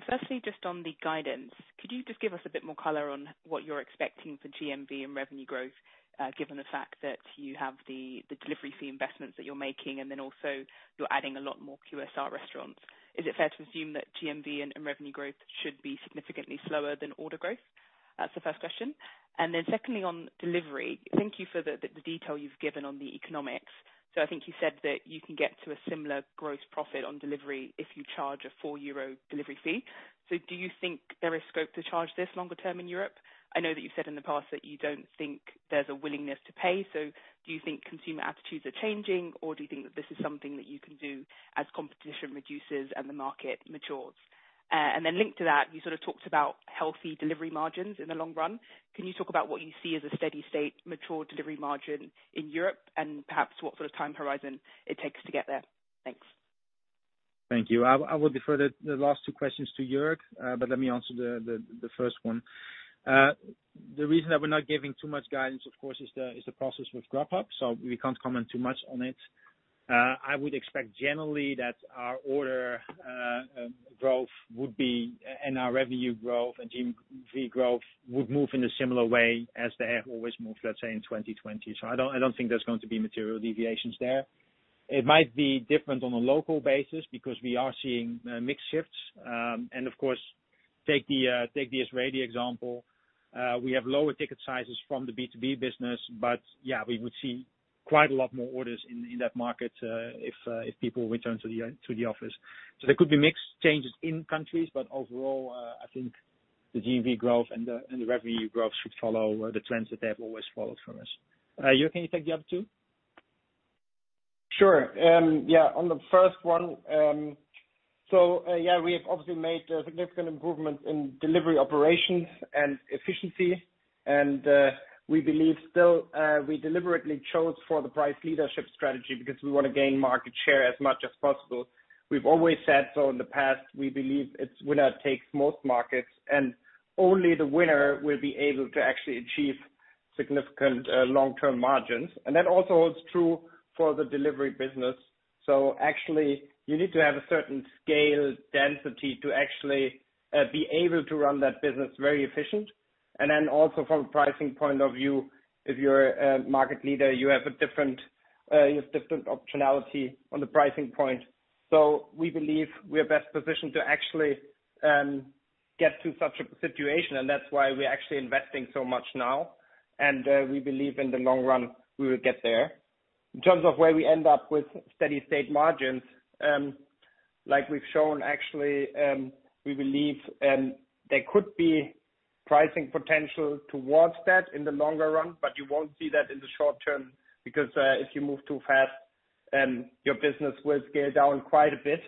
Firstly, just on the guidance, could you just give us a bit more color on what you're expecting for GMV and revenue growth, given the fact that you have the delivery fee investments that you're making, also you're adding a lot more QSR restaurants? Is it fair to assume that GMV and revenue growth should be significantly slower than order growth? That's the first question. Secondly, on delivery, thank you for the detail you've given on the economics. I think you said that you can get to a similar gross profit on delivery if you charge a 4 euro delivery fee. Do you think there is scope to charge this longer term in Europe? I know that you've said in the past that you don't think there's a willingness to pay. Do you think consumer attitudes are changing, or do you think that this is something that you can do as competition reduces and the market matures? Linked to that, you sort of talked about healthy delivery margins in the long run. Can you talk about what you see as a steady state mature delivery margin in Europe and perhaps what sort of time horizon it takes to get there? Thanks. Thank you. I will defer the last two questions to Jörg, let me answer the first one. The reason that we're not giving too much guidance, of course, is the process with Grubhub, we can't comment too much on it. I would expect generally that our order growth and our revenue growth and GMV growth would move in a similar way as they have always moved, let's say in 2020. I don't think there's going to be material deviations there. It might be different on a local basis because we are seeing mix shifts. Of course, take the Israeli example. We have lower ticket sizes from the B2B business. Yeah, we would see quite a lot more orders in that market if people return to the office. There could be mixed changes in countries, but overall, I think the GMV growth and the revenue growth should follow the trends that they have always followed from us. Jörg, can you take the other two? Sure. Yeah, on the first one, yeah, we have obviously made a significant improvement in delivery operations and efficiency, and we believe still we deliberately chose for the price leadership strategy because we want to gain market share as much as possible. We've always said so in the past, we believe it's winner takes most markets, and only the winner will be able to actually achieve significant long-term margins. That also holds true for the delivery business. Actually, you need to have a certain scale density to actually be able to run that business very efficient. Then also from a pricing point of view, if you're a market leader, you have different optionality on the pricing point. We believe we are best positioned to actually get to such a situation, and that's why we're actually investing so much now. We believe in the long run, we will get there. In terms of where we end up with steady state margins, like we've shown, actually, we believe there could be pricing potential towards that in the longer run, but you won't see that in the short term because if you move too fast, your business will scale down quite a bit.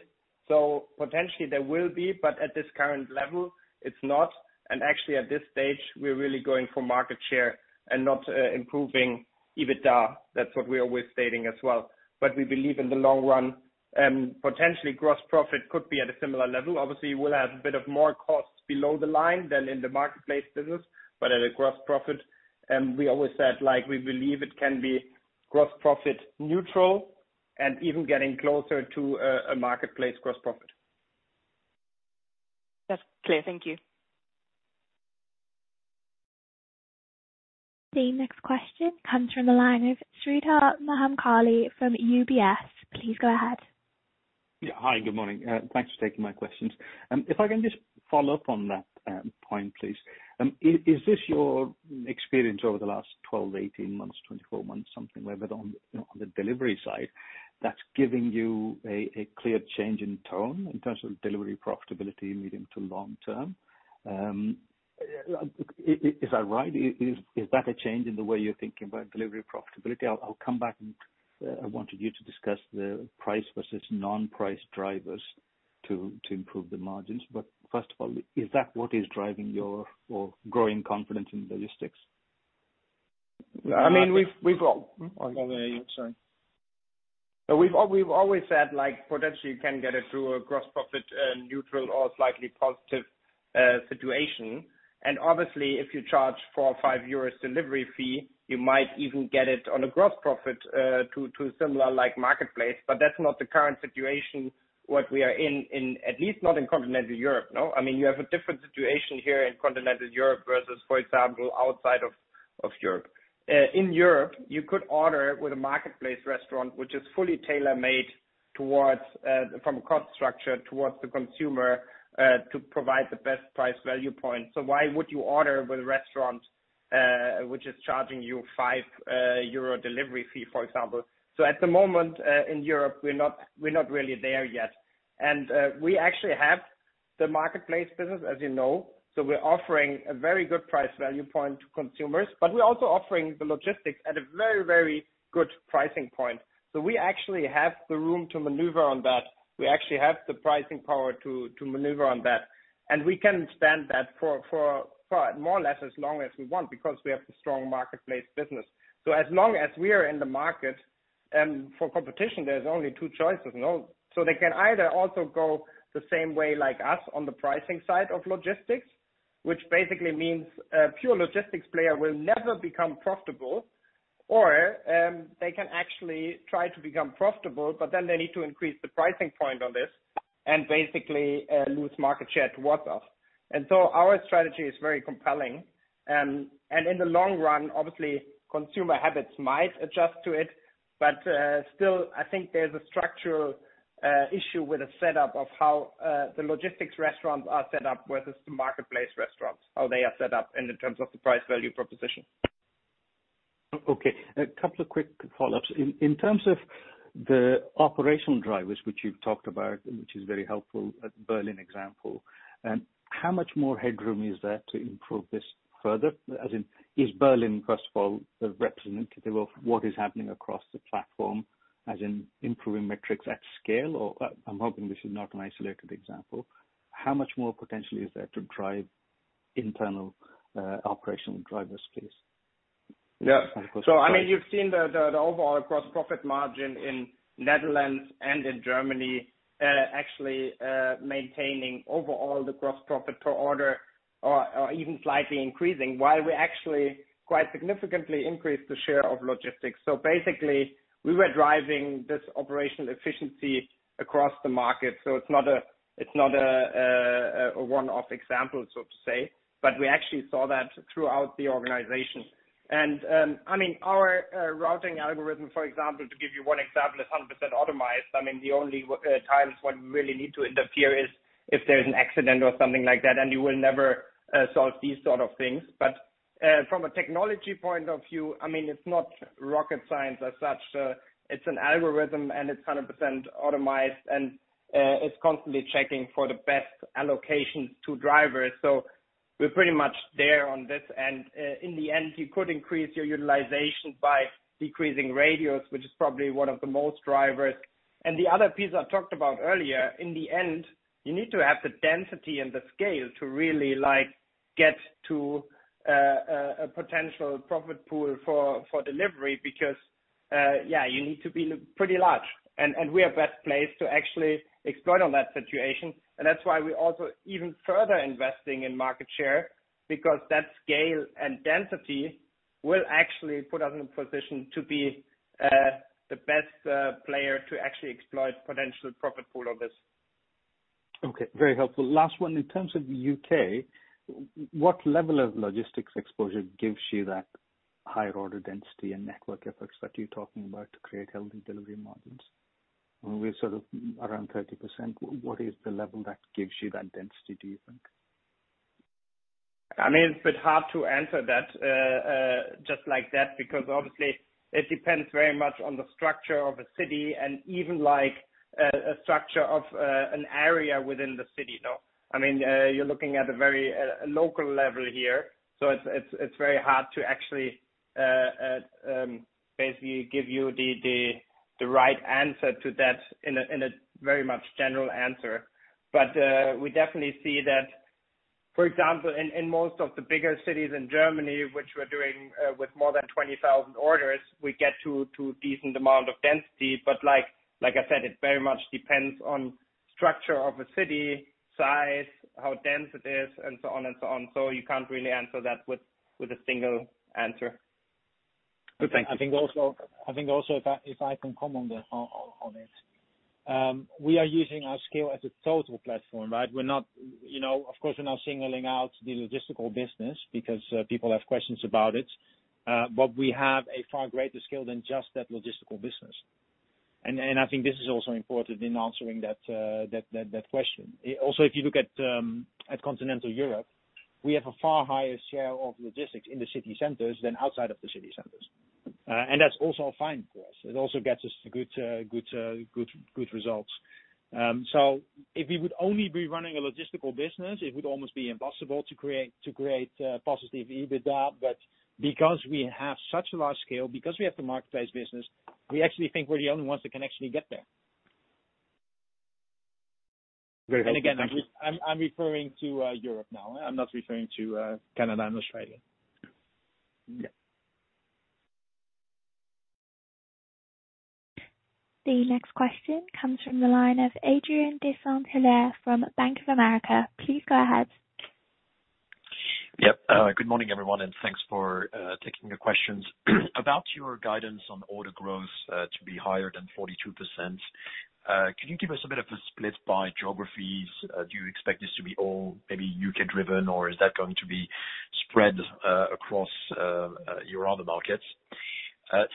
Potentially there will be, but at this current level, it's not. Actually, at this stage, we're really going for market share and not improving EBITDA. That's what we are always stating as well. We believe in the long run, potentially gross profit could be at a similar level. Obviously, we'll have a bit more costs below the line than in the marketplace business, but at a gross profit, we always said, we believe it can be gross profit neutral and even getting closer to a marketplace gross profit. That's clear. Thank you. The next question comes from the line of Sreedhar Mahamkali from UBS. Please go ahead. Yeah. Hi, good morning. Thanks for taking my questions. I can just follow up on that point, please. Is this your experience over the last 12 to 18 months, 24 months, something like that on the delivery side, that's giving you a clear change in tone in terms of delivery profitability medium to long term? Is that right? Is that a change in the way you're thinking about delivery profitability? I'll come back. I wanted you to discuss the price versus non-price drivers to improve the margins. First of all, is that what is driving your growing confidence in logistics? I mean- Go ahead, sorry. We've always said, potentially you can get it to a gross profit, neutral or slightly positive situation. Obviously, if you charge 4 or 5 euros delivery fee, you might even get it on a gross profit, to similar like marketplace, but that's not the current situation, what we are in, at least not in continental Europe. You have a different situation here in continental Europe versus, for example, outside of Europe. In Europe, you could order with a marketplace restaurant, which is fully tailor-made from a cost structure towards the consumer, to provide the best price value point. Why would you order with a restaurant, which is charging you 5 euro delivery fee, for example? At the moment, in Europe, we're not really there yet. We actually have the marketplace business, as you know. We're offering a very good price value point to consumers, but we're also offering the logistics at a very good pricing point. We actually have the room to maneuver on that. We actually have the pricing power to maneuver on that. We can spend that for more or less as long as we want because we have a strong marketplace business. As long as we are in the market, and for competition, there's only two choices. They can either also go the same way like us on the pricing side of logistics, which basically means a pure logistics player will never become profitable, or they can actually try to become profitable, they need to increase the pricing point on this and basically lose market share towards us. Our strategy is very compelling. In the long run, obviously, consumer habits might adjust to it. Still, I think there's a structural issue with the setup of how the logistics restaurants are set up versus the marketplace restaurants, how they are set up in terms of the price-value proposition. Okay. A couple of quick follow-ups. In terms of the operational drivers, which you've talked about, which is very helpful, that Berlin example. How much more headroom is there to improve this further? As in, is Berlin, first of all, the representative of what is happening across the platform as in improving metrics at scale, or I'm hoping this is not an isolated example. How much more potentially is there to drive internal operational drivers, please? Yeah. You've seen the overall gross profit margin in Netherlands and in Germany, actually, maintaining overall the gross profit per order or even slightly increasing while we actually quite significantly increased the share of logistics. Basically, we were driving this operational efficiency across the market, so it's not a one-off example, so to say. We actually saw that throughout the organization. Our routing algorithm, for example, to give you one example, is 100% automized. The only times when we really need to interfere is if there's an accident or something like that, and you will never solve these sort of things. From a technology point of view, it's not rocket science as such. It's an algorithm, and it's 100% automized, and it's constantly checking for the best allocations to drivers. We're pretty much there on this. In the end, you could increase your utilization by decreasing radius, which is probably one of the most drivers. The other piece I talked about earlier, in the end, you need to have the density and the scale to really get to a potential profit pool for delivery because, yeah, you need to be pretty large. We are best placed to actually exploit on that situation. That's why we're also even further investing in market share because that scale and density will actually put us in a position to be the best player to actually exploit potential profit pool of this. Okay. Very helpful. Last one. In terms of U.K., what level of logistics exposure gives you that higher order density and network effects that you're talking about to create healthy delivery margins? With sort of around 30%, what is the level that gives you that density, do you think? It's a bit hard to answer that just like that because obviously it depends very much on the structure of a city and even a structure of an area within the city. You're looking at a very local level here, so it's very hard to actually, basically give you the right answer to that in a very much general answer. We definitely see that, for example, in most of the bigger cities in Germany, which we're doing with more than 20,000 orders, we get to a decent amount of density. Like I said, it very much depends on structure of a city, size, how dense it is, and so on. You can't really answer that with a single answer. Okay. Thank you. I think also, if I can comment on it. We are using our scale as a total platform. Of course, we're not singling out the logistical business because people have questions about it. We have a far greater scale than just that logistical business. I think this is also important in answering that question. Also, if you look at continental Europe. We have a far higher share of logistics in the city centers than outside of the city centers. That's also fine for us. It also gets us good results. If we would only be running a logistical business, it would almost be impossible to create a positive EBITDA. Because we have such a large scale, because we have the marketplace business, we actually think we're the only ones that can actually get there. Very good. Thank you. Again, I'm referring to Europe now. I'm not referring to Canada and Australia. Yeah. The next question comes from the line of Adrien de Saint Hilaire from Bank of America. Please go ahead. Yep. Good morning, everyone. Thanks for taking the questions. About your guidance on order growth to be higher than 42%, can you give us a bit of a split by geographies? Do you expect this to be all maybe U.K. driven, or is that going to be spread across your other markets?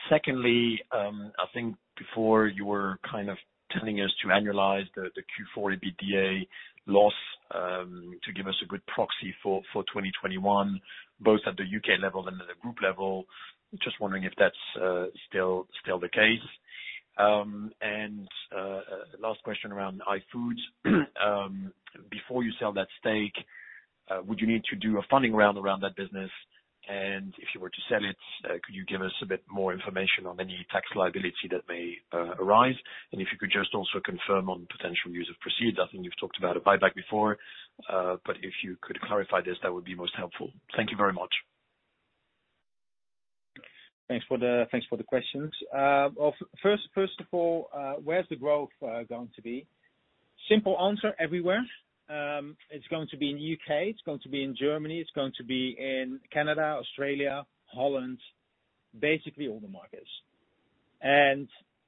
Secondly, I think before you were kind of telling us to annualize the Q4 EBITDA loss to give us a good proxy for 2021, both at the U.K. level and at the group level. Just wondering if that's still the case. Last question around iFood. Before you sell that stake, would you need to do a funding round around that business? If you were to sell it, could you give us a bit more information on any tax liability that may arise? If you could just also confirm on potential use of proceeds. I think you've talked about a buyback before, but if you could clarify this, that would be most helpful. Thank you very much. Thanks for the questions. First of all, where's the growth going to be? Simple answer, everywhere. It's going to be in U.K., it's going to be in Germany, it's going to be in Canada, Australia, Holland, basically all the markets.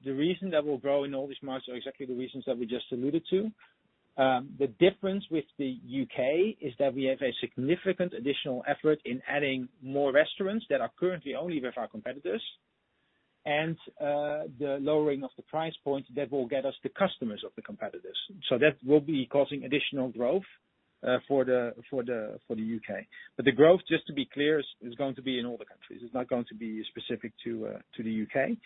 The reason that we'll grow in all these markets are exactly the reasons that we just alluded to. The difference with the U.K. is that we have a significant additional effort in adding more restaurants that are currently only with our competitors, and the lowering of the price point that will get us the customers of the competitors. That will be causing additional growth for the U.K. The growth, just to be clear, is going to be in all the countries. It's not going to be specific to the U.K.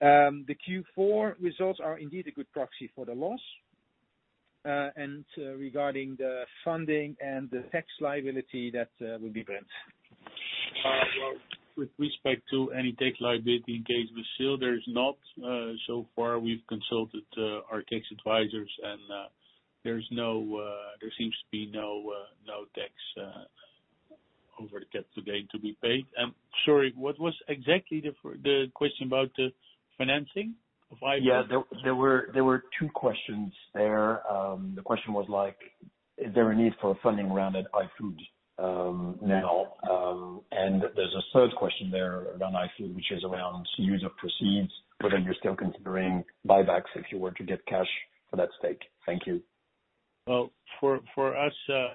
The Q4 results are indeed a good proxy for the loss. Regarding the funding and the tax liability, that will be Brent. With respect to any tax liability engaged with sale, there is not so far we've consulted our tax advisors, and there seems to be no tax over the capital gain to be paid. I'm sorry, what was exactly the question about the financing of iFood? Yeah, there were two questions there. The question was, is there a need for a funding round at iFood now? Yeah. There's a third question there around iFood, which is around use of proceeds, whether you're still considering buybacks if you were to get cash for that stake. Thank you. Well, for us,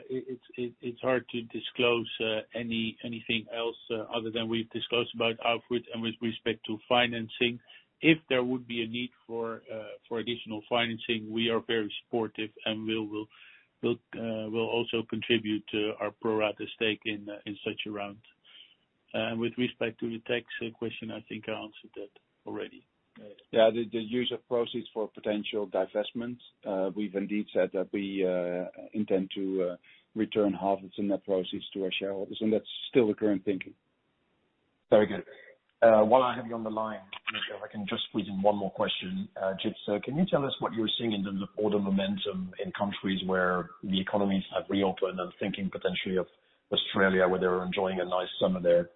it is hard to disclose anything else other than we have disclosed about iFood and with respect to financing. If there would be a need for additional financing, we are very supportive, and we will also contribute to our pro rata stake in such a round. With respect to the tax question, I think I answered that already. Yeah. The use of proceeds for potential divestments. We've indeed said that we intend to return half of the net proceeds to our shareholders. That's still the current thinking. Very good. While I have you on the line, if I can just squeeze in one more question, Jitse. Can you tell us what you're seeing in terms of order momentum in countries where the economies have reopened? I'm thinking potentially of Australia, where they're enjoying a nice summer there.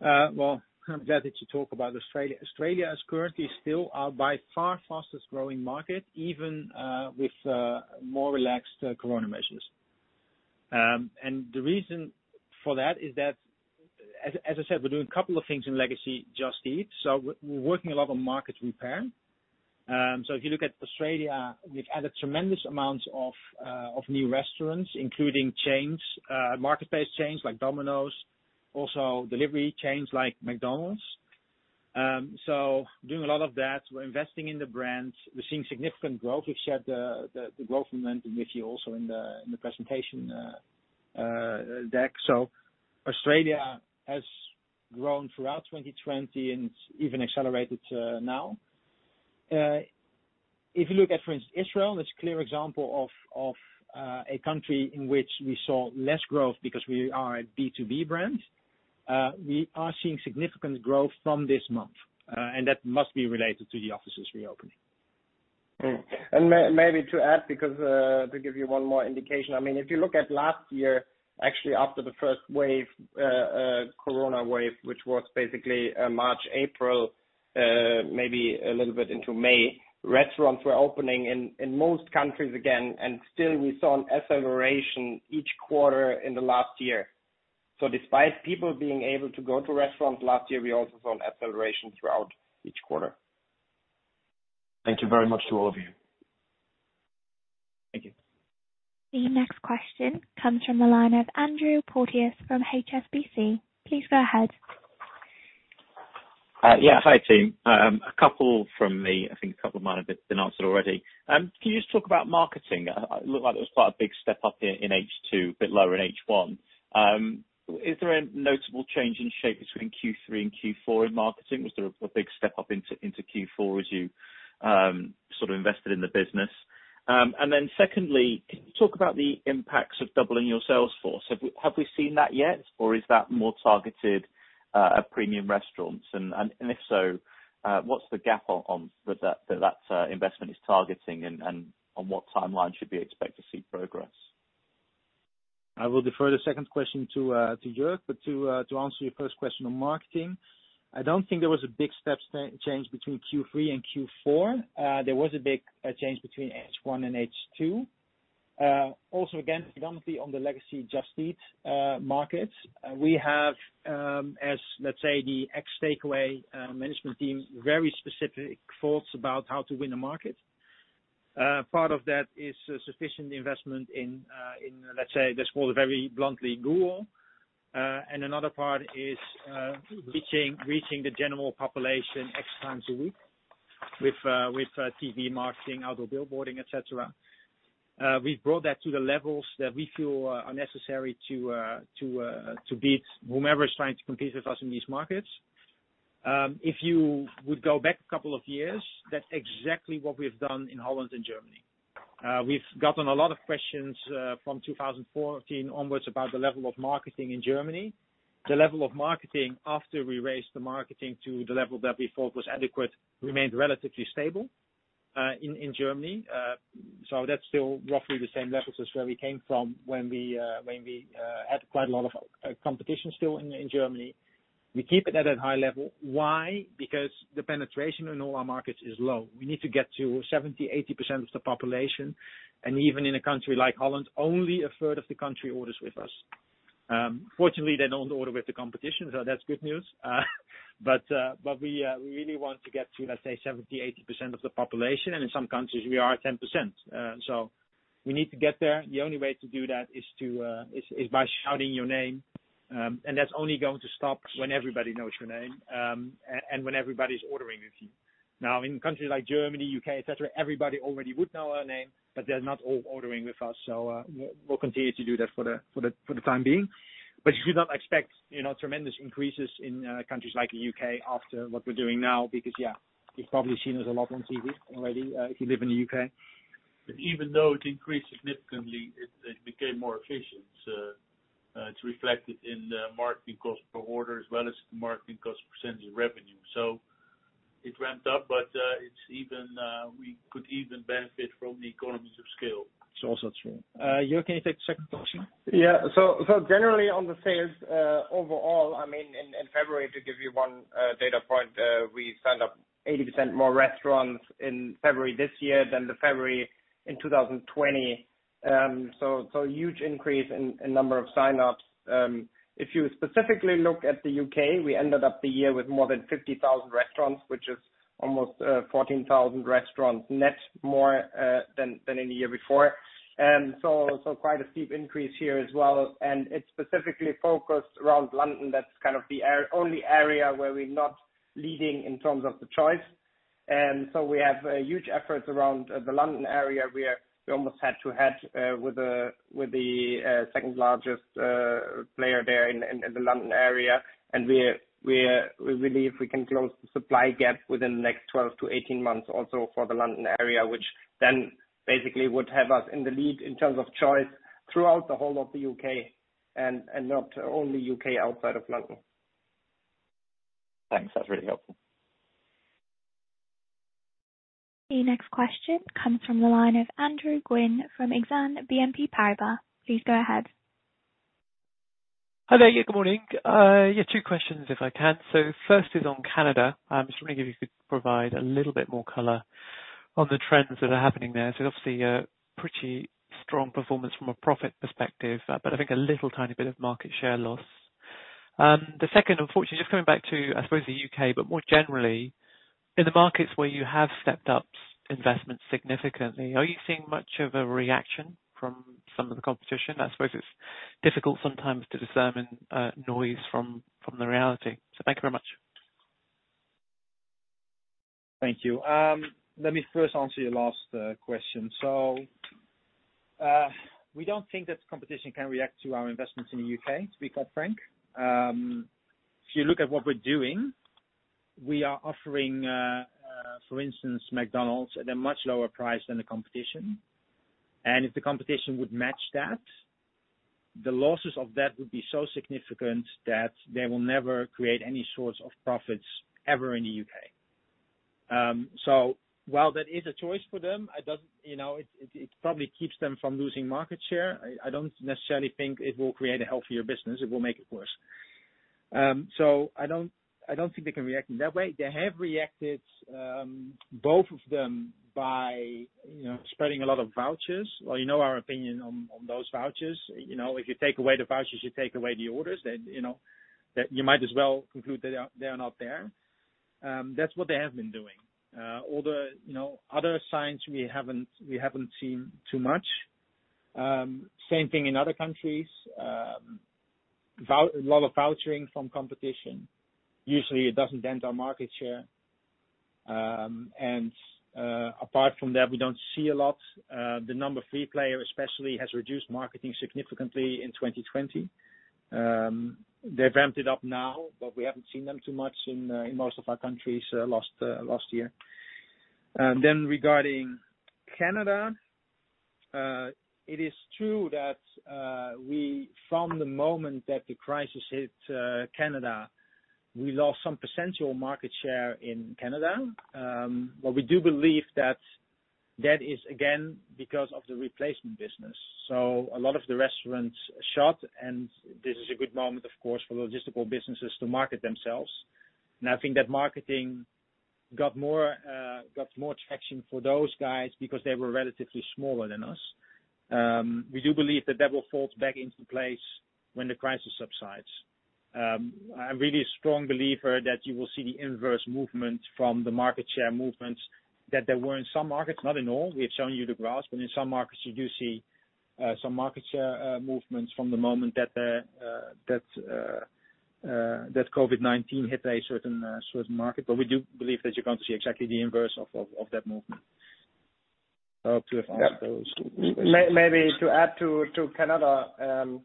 Well, I'm glad that you talk about Australia. Australia is currently still our by far fastest growing market, even with more relaxed COVID-19 measures. The reason for that is that, as I said, we're doing a couple of things in legacy Just Eat. We're working a lot on market repair. If you look at Australia, we've added tremendous amounts of new restaurants, including chains, market-based chains like Domino's, also delivery chains like McDonald's. Doing a lot of that. We're investing in the brands. We're seeing significant growth. We've shared the growth momentum with you also in the presentation deck. Australia has grown throughout 2020 and even accelerated now. If you look at, for instance, Israel, that's a clear example of a country in which we saw less growth because we are a B2B brand. We are seeing significant growth from this month, and that must be related to the offices reopening. Maybe to add, because to give you one more indication, if you look at last year, actually after the first COVID wave, which was basically March, April, maybe a little bit into May, restaurants were opening in most countries again, and still we saw an acceleration each quarter in the last year. Despite people being able to go to restaurants last year, we also saw an acceleration throughout each quarter. Thank you very much to all of you. Thank you. The next question comes from the line of Andrew Porteous from HSBC. Please go ahead. Yeah. Hi, team. A couple from me. I think a couple might have been answered already. Can you just talk about marketing? It looked like there was quite a big step up in H2, a bit lower in H1. Is there a notable change in shape between Q3 and Q4 in marketing? Was there a big step up into Q4 as you sort of invested in the business? Secondly, can you talk about the impacts of doubling your sales force? Have we seen that yet, or is that more targeted at premium restaurants? If so, what's the gap that investment is targeting and on what timeline should we expect to see progress? I will defer the second question to Jörg, but to answer your first question on marketing, I don't think there was a big step change between Q3 and Q4. There was a big change between H1 and H2. Again, predominantly on the legacy Just Eat markets. We have, as let's say the ex Takeaway.com management team, very specific thoughts about how to win the market. Part of that is sufficient investment in, let's say, let's call it very bluntly, Google. Another part is reaching the general population X times a week with TV marketing, outdoor billboarding, et cetera. We've brought that to the levels that we feel are necessary to beat whomever is trying to compete with us in these markets. If you would go back a couple of years, that's exactly what we've done in Holland and Germany. We've gotten a lot of questions from 2014 onwards about the level of marketing in Germany. The level of marketing after we raised the marketing to the level that we thought was adequate remained relatively stable in Germany. That's still roughly the same levels as where we came from when we had quite a lot of competition still in Germany. We keep it at a high level. Why? The penetration in all our markets is low. We need to get to 70%-80% of the population. Even in a country like Holland, only a third of the country orders with us. Fortunately, they don't order with the competition, that's good news. We really want to get to, let's say, 70%-80% of the population, and in some countries, we are at 10%. We need to get there. The only way to do that is by shouting your name, and that's only going to stop when everybody knows your name, and when everybody's ordering with you. In countries like Germany, U.K., et cetera, everybody already would know our name, but they're not all ordering with us. We'll continue to do that for the time being. You should not expect tremendous increases in countries like the U.K. after what we're doing now, because yeah, you've probably seen us a lot on TV already if you live in the U.K. Even though it increased significantly, it became more efficient. It's reflected in the marketing cost per order, as well as the marketing cost percentage revenue. It ramped up, but we could even benefit from the economies of scale. It's also true. Jörg, can you take the second question? Yeah. Generally on the sales, overall, in February, to give you one data point, we signed up 80% more restaurants in February this year than the February in 2020. A huge increase in number of sign-ups. If you specifically look at the U.K., we ended up the year with more than 50,000 restaurants, which is almost 14,000 restaurants net more than in the year before. Quite a steep increase here as well, and it's specifically focused around London. That's kind of the only area where we're not leading in terms of the choice. We have huge efforts around the London area where we're almost head-to-head with the second largest player there in the London area. We believe we can close the supply gap within the next 12-18 months also for the London area, which then basically would have us in the lead in terms of choice throughout the whole of the U.K., and not only U.K. outside of London. Thanks. That's really helpful. The next question comes from the line of Andrew Gwynn from Exane BNP Paribas. Please go ahead. Hello. Good morning. Two questions if I can. First is on Canada. I'm just wondering if you could provide a little bit more color on the trends that are happening there. Obviously, a pretty strong performance from a profit perspective, but I think a little tiny bit of market share loss. The second, unfortunately, just coming back to, I suppose, the U.K., but more generally, in the markets where you have stepped up investment significantly, are you seeing much of a reaction from some of the competition? I suppose it's difficult sometimes to discern noise from the reality. Thank you very much. Thank you. Let me first answer your last question. We don't think that competition can react to our investments in the U.K., to be quite frank. If you look at what we're doing, we are offering, for instance, McDonald's at a much lower price than the competition. If the competition would match that, the losses of that would be so significant that they will never create any sorts of profits ever in the U.K. While that is a choice for them, it probably keeps them from losing market share. I don't necessarily think it will create a healthier business. It will make it worse. I don't think they can react in that way. They have reacted, both of them by spreading a lot of vouchers. Well, you know our opinion on those vouchers. If you take away the vouchers, you take away the orders, then you might as well conclude that they are not there. That's what they have been doing. Other signs we haven't seen too much. Same thing in other countries. A lot of vouchering from competition. Usually, it doesn't dent our market share. Apart from that, we don't see a lot. The number three player especially has reduced marketing significantly in 2020. They've ramped it up now, we haven't seen them too much in most of our countries last year. Regarding Canada, it is true that from the moment that the crisis hit Canada, we lost some percent of market share in Canada. We do believe that that is, again, because of the replacement business. A lot of the restaurants shut, this is a good moment, of course, for logistical businesses to market themselves. I think that marketing got more traction for those guys because they were relatively smaller than us. We do believe that that will fall back into place when the crisis subsides. I'm really a strong believer that you will see the inverse movement from the market share movements that there were in some markets, not in all, we have shown you the graphs. In some markets you do see some market share movements from the moment that COVID-19 hit a certain market. We do believe that you're going to see exactly the inverse of that movement. I hope to have answered those questions. Maybe to add to Canada.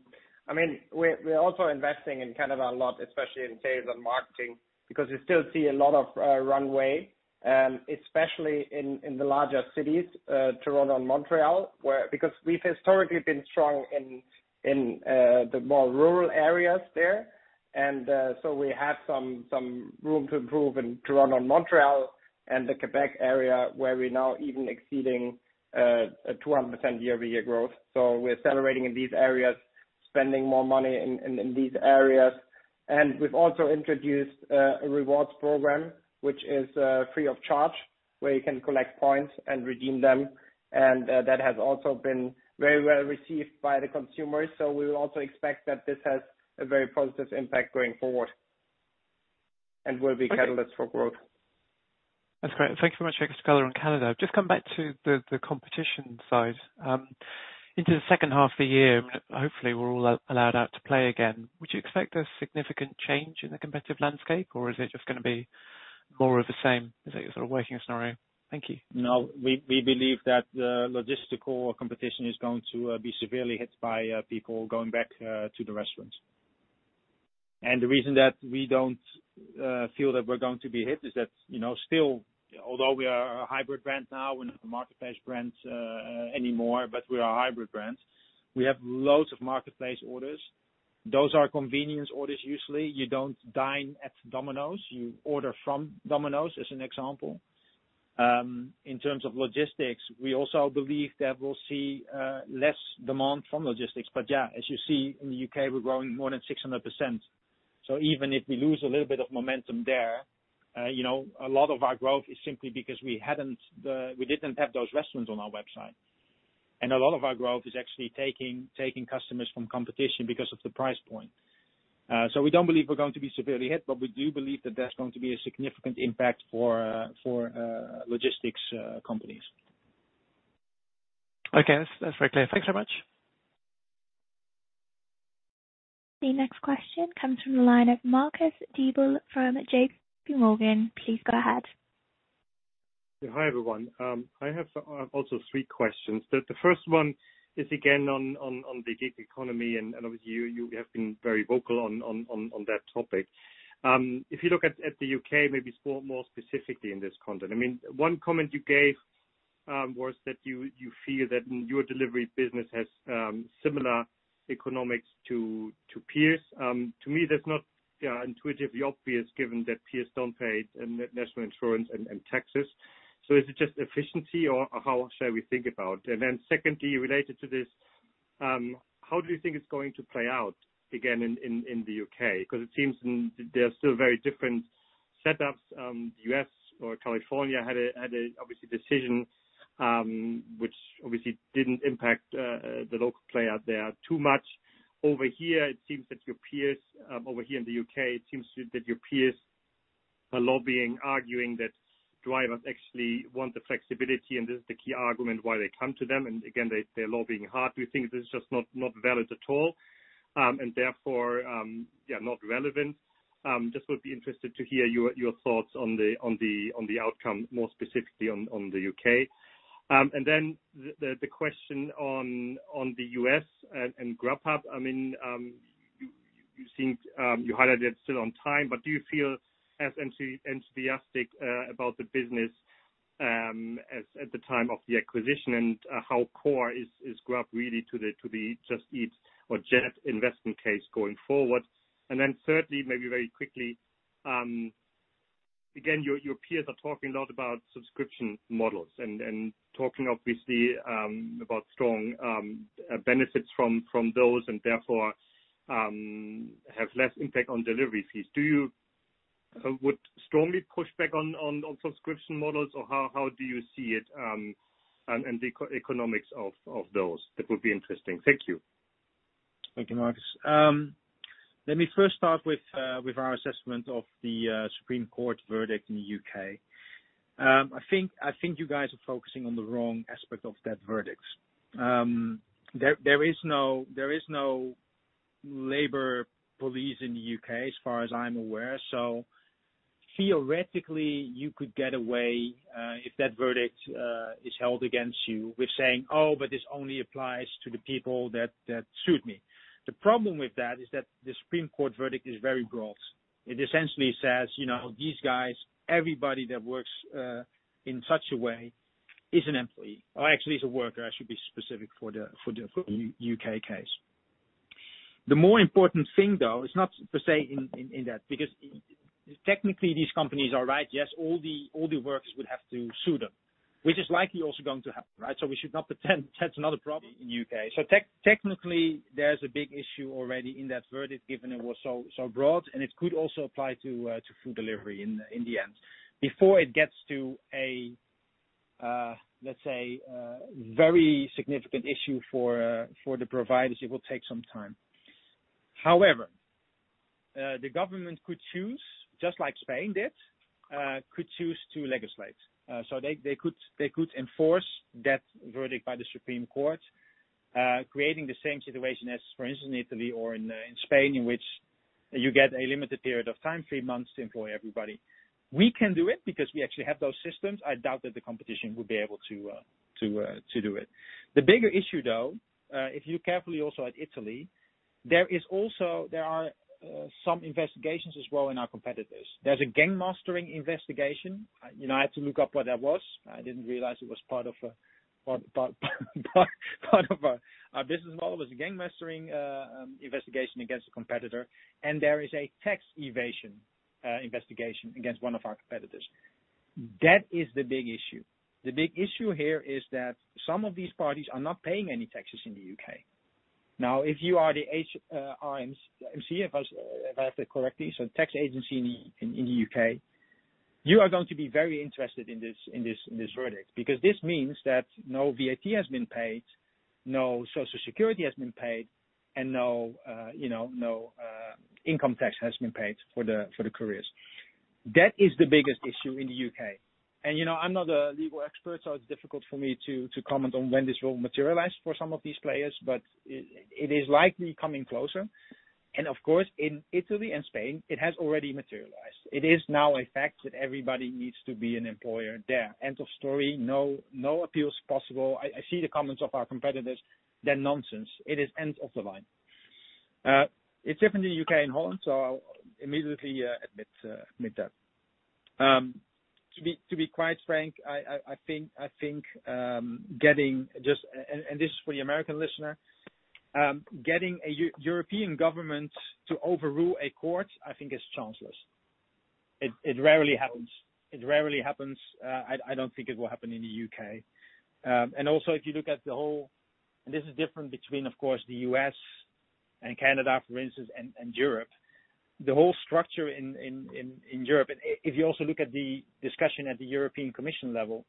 We're also investing in Canada a lot, especially in sales and marketing, because we still see a lot of runway, especially in the larger cities, Toronto and Montreal. Because we've historically been strong in the more rural areas there, we have some room to improve in Toronto, Montreal, and the Quebec area, where we're now even exceeding a 200% year-over-year growth. We're accelerating in these areas, spending more money in these areas. We've also introduced a rewards program, which is free of charge, where you can collect points and redeem them. That has also been very well received by the consumers. We will also expect that this has a very positive impact going forward and will be a catalyst for growth. That's great. Thank you very much, Jörg, for covering Canada. Just come back to the competition side. Into the second half of the year, hopefully we're all allowed out to play again. Would you expect a significant change in the competitive landscape, or is it just going to be more of the same as your sort of working scenario? Thank you. No. We believe that logistical competition is going to be severely hit by people going back to the restaurants. The reason that we don't feel that we're going to be hit is that, still, although we are a hybrid brand now, we're not a marketplace brand anymore, but we are a hybrid brand. We have loads of marketplace orders. Those are convenience orders usually. You don't dine at Domino's, you order from Domino's, as an example. In terms of logistics, we also believe that we'll see less demand from logistics. Yeah, as you see in the U.K., we're growing more than 600%. Even if we lose a little bit of momentum there, a lot of our growth is simply because we didn't have those restaurants on our website. A lot of our growth is actually taking customers from competition because of the price point. We don't believe we're going to be severely hit, but we do believe that there's going to be a significant impact for logistics companies. Okay. That's very clear. Thanks so much. The next question comes from the line of Marcus Diebel from JPMorgan. Please go ahead. Hi, everyone. I have also three questions. The first one is again on the gig economy. Obviously you have been very vocal on that topic. If you look at the U.K., maybe more specifically in this context. One comment you gave was that you feel that your delivery business has similar economics to peers. To me, that's not intuitively obvious given that peers don't pay national insurance and taxes. Is it just efficiency, or how should we think about it? Secondly, related to this, how do you think it's going to play out again in the U.K.? It seems there are still very different setups. The U.S. or California had a, obviously, decision, which obviously didn't impact the local player there too much. Over here in the U.K., it seems to that your peers are lobbying, arguing that drivers actually want the flexibility, and this is the key argument why they come to them, and again, they're lobbying hard. Do you think this is just not valid at all, and therefore not relevant? Just would be interested to hear your thoughts on the outcome, more specifically on the U.K. The question on the U.S. and Grubhub. You highlighted it's still on time, but do you feel as enthusiastic about the business as at the time of the acquisition, and how core is Grubhub really to the Just Eat or JET investment case going forward? Thirdly, maybe very quickly. Again, your peers are talking a lot about subscription models and talking, obviously, about strong benefits from those, and therefore have less impact on delivery fees. Would you strongly push back on subscription models, or how do you see it and the economics of those? That would be interesting. Thank you. Thank you, Marcus. Let me first start with our assessment of the Supreme Court verdict in the U.K. I think you guys are focusing on the wrong aspect of that verdict. There is no labor police in the U.K., as far as I'm aware. Theoretically, you could get away, if that verdict is held against you, with saying, "Oh, but this only applies to the people that sue me." The problem with that is that the Supreme Court verdict is very broad. It essentially says these guys, everybody that works in such a way is an employee, or actually is a worker. I should be specific for the U.K. case. The more important thing, though, is not per se in that, because technically these companies are right. Yes, all the workers would have to sue them, which is likely also going to happen, right? We should not pretend that's another problem in U.K. Technically, there's a big issue already in that verdict, given it was so broad, and it could also apply to food delivery in the end. Before it gets to a, let's say, very significant issue for the providers, it will take some time. However, the government could choose, just like Spain did, could choose to legislate. They could enforce that verdict by the Supreme Court, creating the same situation as, for instance, in Italy or in Spain, in which you get a limited period of time, three months, to employ everybody. We can do it because we actually have those systems. I doubt that the competition would be able to do it. The bigger issue, though, if you carefully also at Italy, there are some investigations as well in our competitors. There's a gangmastering investigation. I had to look up what that was. I didn't realize it was part of our business model, is a gangmastering investigation against a competitor, and there is a tax evasion investigation against one of our competitors. That is the big issue. The big issue here is that some of these parties are not paying any taxes in the U.K. If you are the HMRC, if I say it correctly, so tax agency in the U.K., you are going to be very interested in this verdict, because this means that no VAT has been paid, no Social Security has been paid, and no income tax has been paid for the couriers. That is the biggest issue in the U.K. I'm not a legal expert, so it's difficult for me to comment on when this will materialize for some of these players, but it is likely coming closer. Of course, in Italy and Spain, it has already materialized. It is now a fact that everybody needs to be an employer there. End of story. No appeals possible. I see the comments of our competitors. They're nonsense. It is end of the line. It's different in the U.K. and Holland, I'll immediately admit that. To be quite frank, this is for the American listener, getting a European government to overrule a court, I think is chanceless. It rarely happens. I don't think it will happen in the U.K. Also, if you look at the whole, this is different between, of course, the U.S. and Canada, for instance, and Europe. The whole structure in Europe, if you also look at the discussion at the European Commission level,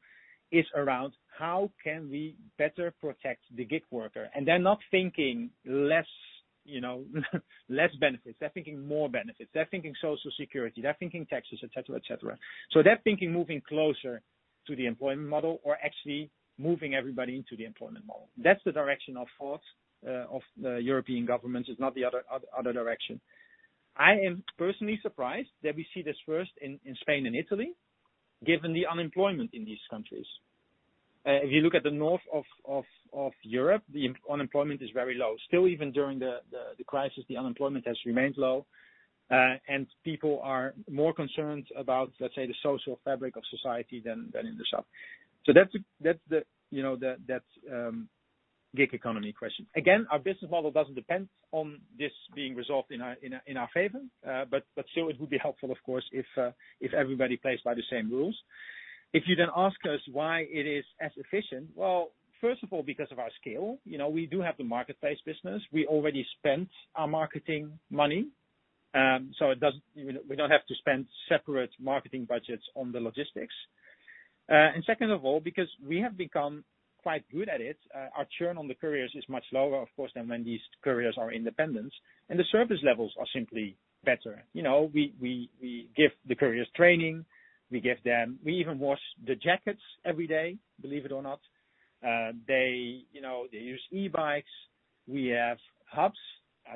is around how can we better protect the gig worker. They're not thinking less benefits. They're thinking more benefits. They're thinking Social Security. They're thinking taxes, et cetera. They're thinking moving closer to the employment model or actually moving everybody into the employment model. That's the direction of thought of the European governments, is not the other direction. I am personally surprised that we see this first in Spain and Italy, given the unemployment in these countries. If you look at the north of Europe, the unemployment is very low. Still, even during the crisis, the unemployment has remained low, and people are more concerned about, let's say, the social fabric of society than in the south. That's gig economy question. Again, our business model doesn't depend on this being resolved in our favor. Still, it would be helpful, of course, if everybody plays by the same rules. If you ask us why it is as efficient, well, first of all, because of our scale. We do have the marketplace business. We already spent our marketing money, so we don't have to spend separate marketing budgets on the logistics. Second of all, because we have become quite good at it. Our churn on the couriers is much lower, of course, than when these couriers are independent, and the service levels are simply better. We give the couriers training. We even wash the jackets every day, believe it or not. They use e-bikes. We have hubs.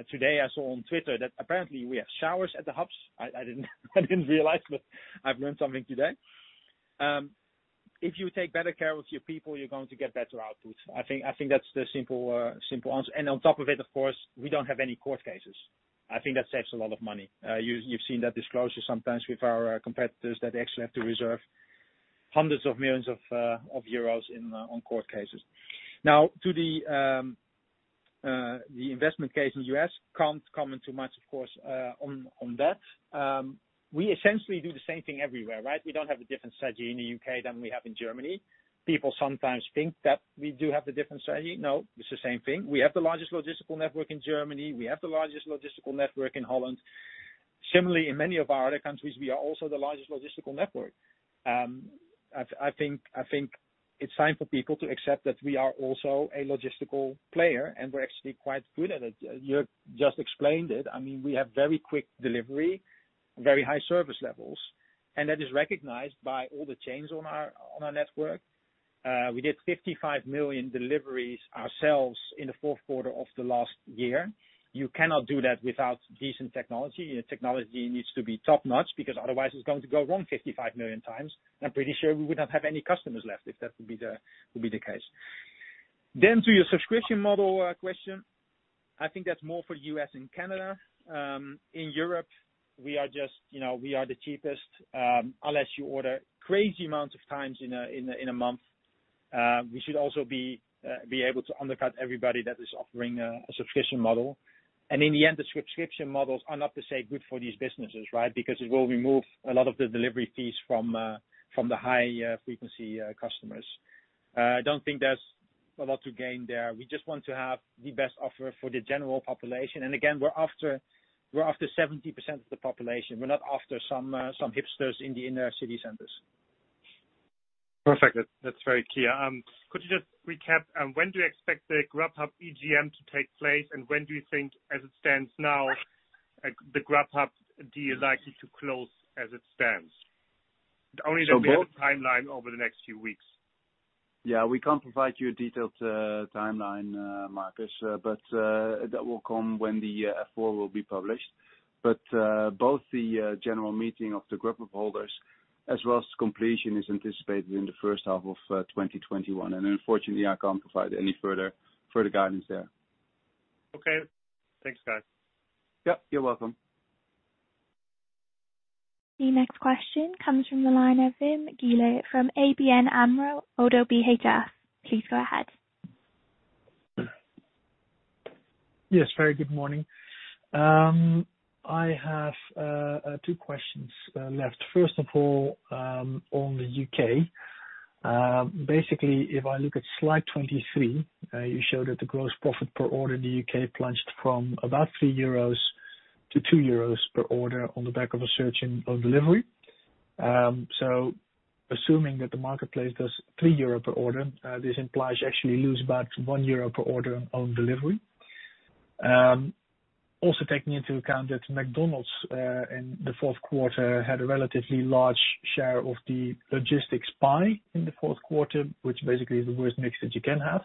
Today, I saw on Twitter that apparently we have showers at the hubs. I didn't realize, but I've learned something today. If you take better care of your people, you're going to get better output. I think that's the simple answer. On top of it, of course, we don't have any court cases. I think that saves a lot of money. You've seen that disclosure sometimes with our competitors that they actually have to reserve hundreds of millions of euros on court cases. To the investment case in the U.S., can't comment too much, of course, on that. We essentially do the same thing everywhere, right? We don't have a different strategy in the U.K. than we have in Germany. People sometimes think that we do have the different strategy. It's the same thing. We have the largest logistical network in Germany. We have the largest logistical network in Holland. Similarly, in many of our other countries, we are also the largest logistical network. I think it's time for people to accept that we are also a logistical player, and we're actually quite good at it. Jörg just explained it. We have very quick delivery, very high service levels, and that is recognized by all the chains on our network. We did 55 million deliveries ourselves in the Q4 of the last year. You cannot do that without decent technology. Your technology needs to be top-notch, because otherwise it's going to go wrong 55 million times. I'm pretty sure we would not have any customers left if that would be the case. To your subscription model question, I think that's more for U.S. and Canada. In Europe, we are the cheapest, unless you order crazy amounts of times in a month. We should also be able to undercut everybody that is offering a subscription model. In the end, the subscription models are not per se good for these businesses, because it will remove a lot of the delivery fees from the high frequency customers. I don't think there's a lot to gain there. We just want to have the best offer for the general population. Again, we're after 70% of the population. We're not after some hipsters in the inner city centers. Perfect. That's very clear. Could you just recap, when do you expect the Grubhub EGM to take place, and when do you think, as it stands now, the Grubhub deal likely to close as it stands? Only that we have a timeline over the next few weeks. Yeah. We can't provide you a detailed timeline, Marcus, that will come when the F-4 will be published. Both the general meeting of the Grubhub holders, as well as completion, is anticipated in the first half of 2021. Unfortunately, I can't provide any further guidance there. Okay. Thanks, guys. Yep, you're welcome. The next question comes from the line of Wim Gille from ABN AMRO – ODDO BHF. Please go ahead. Yes, very good morning. I have two questions left. First of all, on the U.K. If I look at slide 23, you show that the gross profit per order in the U.K. plunged from about 3 euros to 2 euros per order on the back of a surge in own delivery. Assuming that the marketplace does 3 euro per order, this implies you actually lose about 1 euro per order on delivery. Also taking into account that McDonald's, in the Q4, had a relatively large share of the logistics pie in the Q4, which basically is the worst mix that you can have.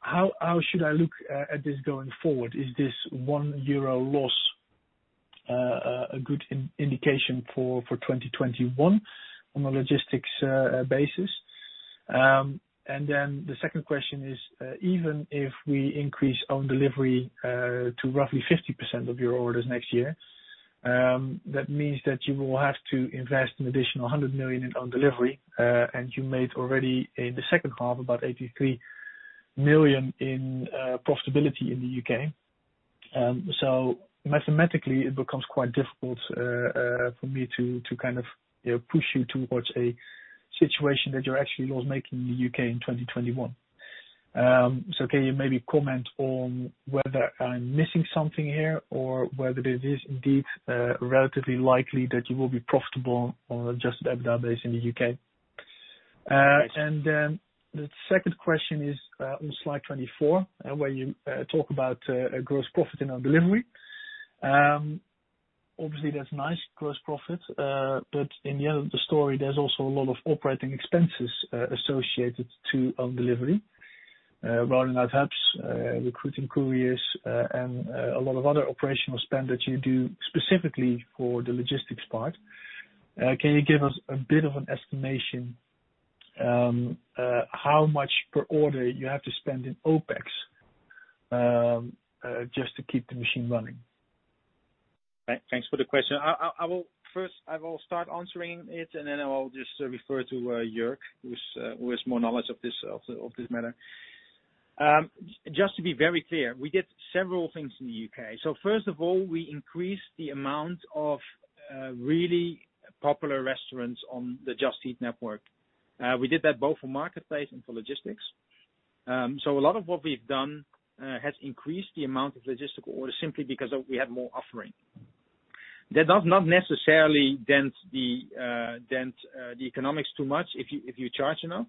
How should I look at this going forward? Is this 1 euro loss a good indication for 2021 on a logistics basis? The second question is, even if we increase own delivery to roughly 50% of your orders next year, that means that you will have to invest an additional 100 million in own delivery, and you made already in the second half, about 83 million in profitability in the U.K. Mathematically, it becomes quite difficult for me to push you towards a situation that you're actually loss-making in the U.K. in 2021. Can you maybe comment on whether I'm missing something here or whether it is indeed relatively likely that you will be profitable on an Adjusted EBITDA base in the U.K.? The second question is on slide 24, where you talk about gross profit in own delivery. Obviously, that's nice gross profit, but in the end of the story, there's also a lot of operating expenses associated to own delivery. Rolling out hubs, recruiting couriers, and a lot of other OpEx that you do specifically for the logistics part. Can you give us a bit of an estimation how much per order you have to spend in OpEx just to keep the machine running? Thanks for the question. I will first start answering it, and then I will just refer to Jörg, who has more knowledge of this matter. Just to be very clear, we did several things in the U.K. First of all, we increased the amount of really popular restaurants on the Just Eat network. We did that both for marketplace and for logistics. A lot of what we've done has increased the amount of logistical orders simply because we have more offering. That does not necessarily dent the economics too much if you charge enough.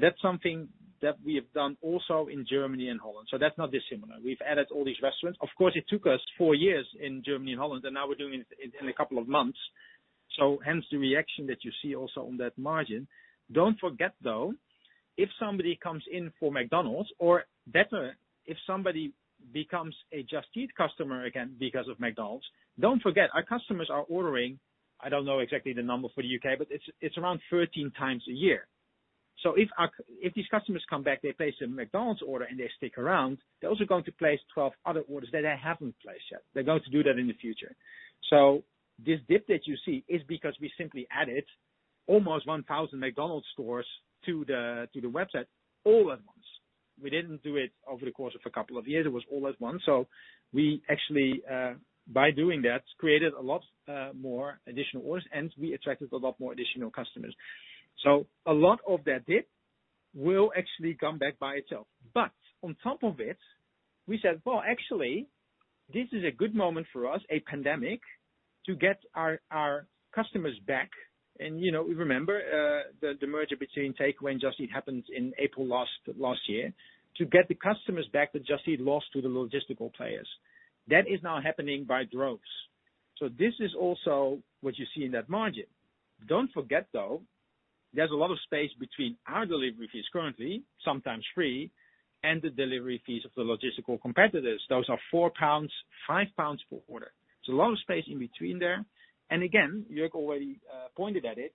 That's something that we have done also in Germany and Holland. That's not dissimilar. We've added all these restaurants. Of course, it took us four years in Germany and Holland, and now we're doing it in a couple of months. Hence the reaction that you see also on that margin. Don't forget, though, if somebody comes in for McDonald's, or better, if somebody becomes a Just Eat customer again because of McDonald's, don't forget, our customers are ordering, I don't know exactly the number for the U.K., but it's around 13x a year. If these customers come back, they place a McDonald's order and they stick around, they're also going to place 12 other orders that they haven't placed yet. They're going to do that in the future. This dip that you see is because we simply added almost 1,000 McDonald's stores to the website all at once. We didn't do it over the course of a couple of years. It was all at once. We actually, by doing that, created a lot more additional orders, and we attracted a lot more additional customers. A lot of that dip will actually come back by itself. On top of it, we said, "Well, actually, this is a good moment for us, a pandemic, to get our customers back." We remember, the merger between Takeaway.com and Just Eat happened in April last year. To get the customers back that Just Eat lost to the logistical players. That is now happening by droves. This is also what you see in that margin. Don't forget though, there's a lot of space between our delivery fees currently, sometimes free, and the delivery fees of the logistical competitors. Those are 4 pounds, 5 pounds per order. There's a lot of space in between there. Again, Jörg already pointed at it.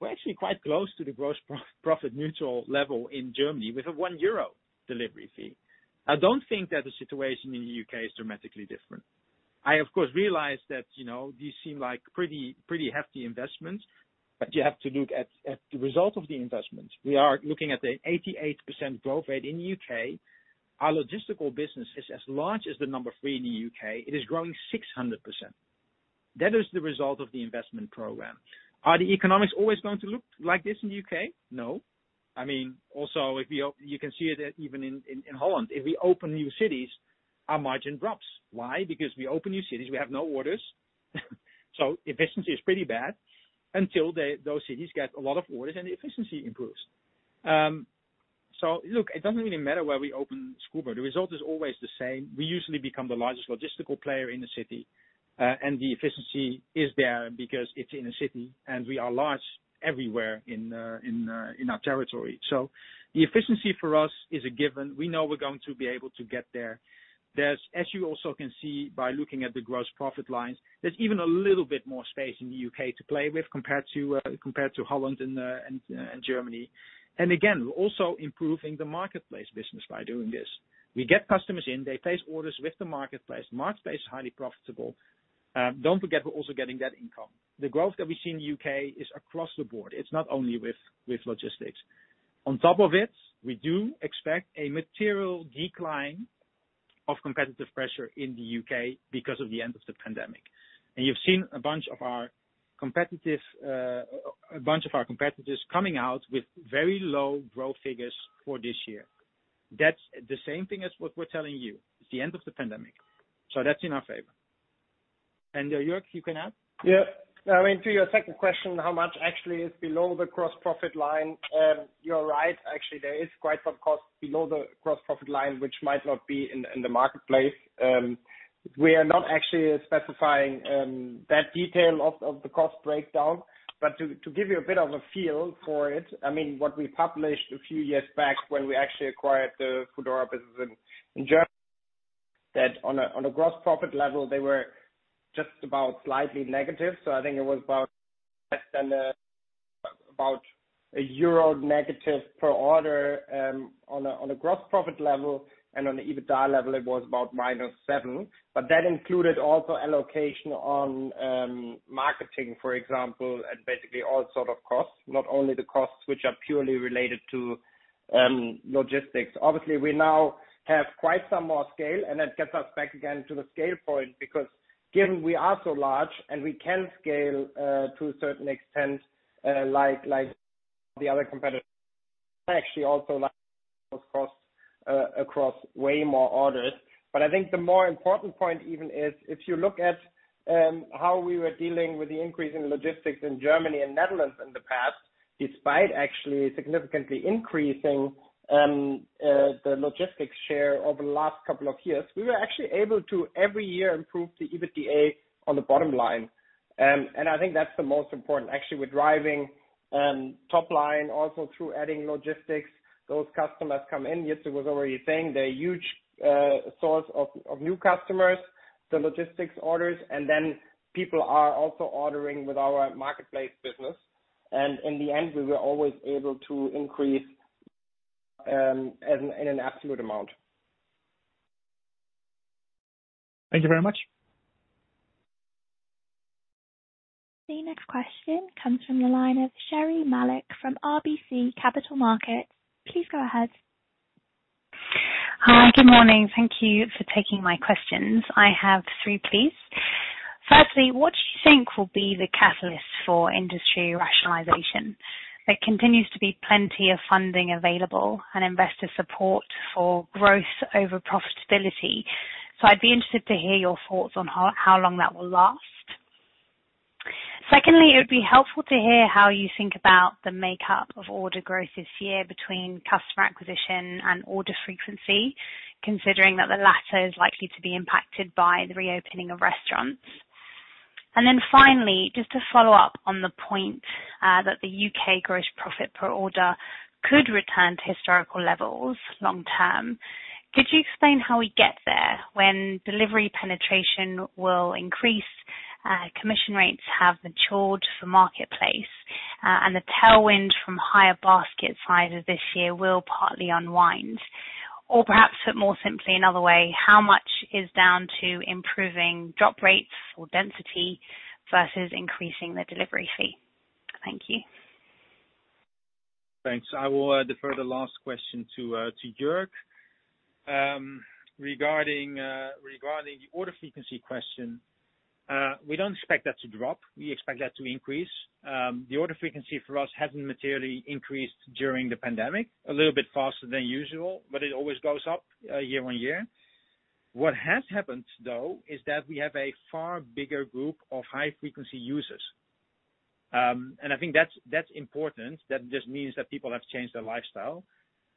We're actually quite close to the gross profit neutral level in Germany with a 1 euro delivery fee. I don't think that the situation in the U.K. is dramatically different. I, of course, realize that these seem like pretty hefty investments, but you have to look at the result of the investments. We are looking at the 88% growth rate in the U.K. Our logistical business is as large as the number three in the U.K. It is growing 600%. That is the result of the investment program. Are the economics always going to look like this in the U.K.? No. You can see it even in Holland. If we open new cities, our margin drops. Why? We open new cities, we have no orders, efficiency is pretty bad until those cities get a lot of orders and the efficiency improves. Look, it doesn't really matter where we open Scoober. The result is always the same. We usually become the largest logistical player in the city. The efficiency is there because it's in a city, and we are large everywhere in our territory. The efficiency for us is a given. We know we're going to be able to get there. As you also can see by looking at the gross profit lines, there's even a little bit more space in the U.K. to play with, compared to Holland and Germany. Again, we're also improving the marketplace business by doing this. We get customers in, they place orders with the marketplace. Marketplace is highly profitable. Don't forget, we're also getting that income. The growth that we see in the U.K. is across the board. It's not only with logistics. On top of it, we do expect a material decline of competitive pressure in the U.K. because of the end of the pandemic. You've seen a bunch of our competitors coming out with very low growth figures for this year. That's the same thing as what we're telling you. It's the end of the pandemic. That's in our favor. Jörg, you can add? To your second question, how much actually is below the gross profit line? You're right. Actually, there is quite some cost below the gross profit line, which might not be in the marketplace. We are not actually specifying that detail of the cost breakdown. To give you a bit of a feel for it, what we published a few years back when we actually acquired the Foodora business in Germany, that on a gross profit level, they were just about slightly negative. I think it was about less than EUR -1 per order, on a gross profit level, and on the EBITDA level, it was about -7. That included also allocation on marketing, for example, and basically all sort of costs, not only the costs which are purely related to logistics. Obviously, we now have quite some more scale. That gets us back again to the scale point, because given we are so large and we can scale, to a certain extent, like the other competitors, actually also like across way more orders. I think the more important point even is, if you look at how we were dealing with the increase in logistics in Germany and Netherlands in the past, despite actually significantly increasing the logistics share over the last couple of years, we were actually able to every year improve the EBITDA on the bottom line. I think that's the most important. Actually, we're driving top line also through adding logistics. Those customers come in. Pieter was already saying they're a huge source of new customers, the logistics orders. People are also ordering with our marketplace business. In the end, we were always able to increase in an absolute amount. Thank you very much. The next question comes from the line of Sherri Malek from RBC Capital Markets. Please go ahead. Hi. Good morning. Thank you for taking my questions. I have three, please. Firstly, what do you think will be the catalyst for industry rationalization? There continues to be plenty of funding available and investor support for growth over profitability. I'd be interested to hear your thoughts on how long that will last. Secondly, it would be helpful to hear how you think about the makeup of order growth this year between customer acquisition and order frequency, considering that the latter is likely to be impacted by the reopening of restaurants. Finally, just to follow up on the point that the U.K. gross profit per order could return to historical levels long term. Could you explain how we get there when delivery penetration will increase, commission rates have matured for marketplace, and the tailwind from higher basket sizes this year will partly unwind? Perhaps put more simply another way, how much is down to improving drop rates or density versus increasing the delivery fee? Thank you. Thanks. I will defer the last question to Jörg. Regarding the order frequency question, we don't expect that to drop. We expect that to increase. The order frequency for us hasn't materially increased during the pandemic, a little bit faster than usual, but it always goes up year-on-year. What has happened, though, is that we have a far bigger group of high-frequency users. I think that's important. That just means that people have changed their lifestyle,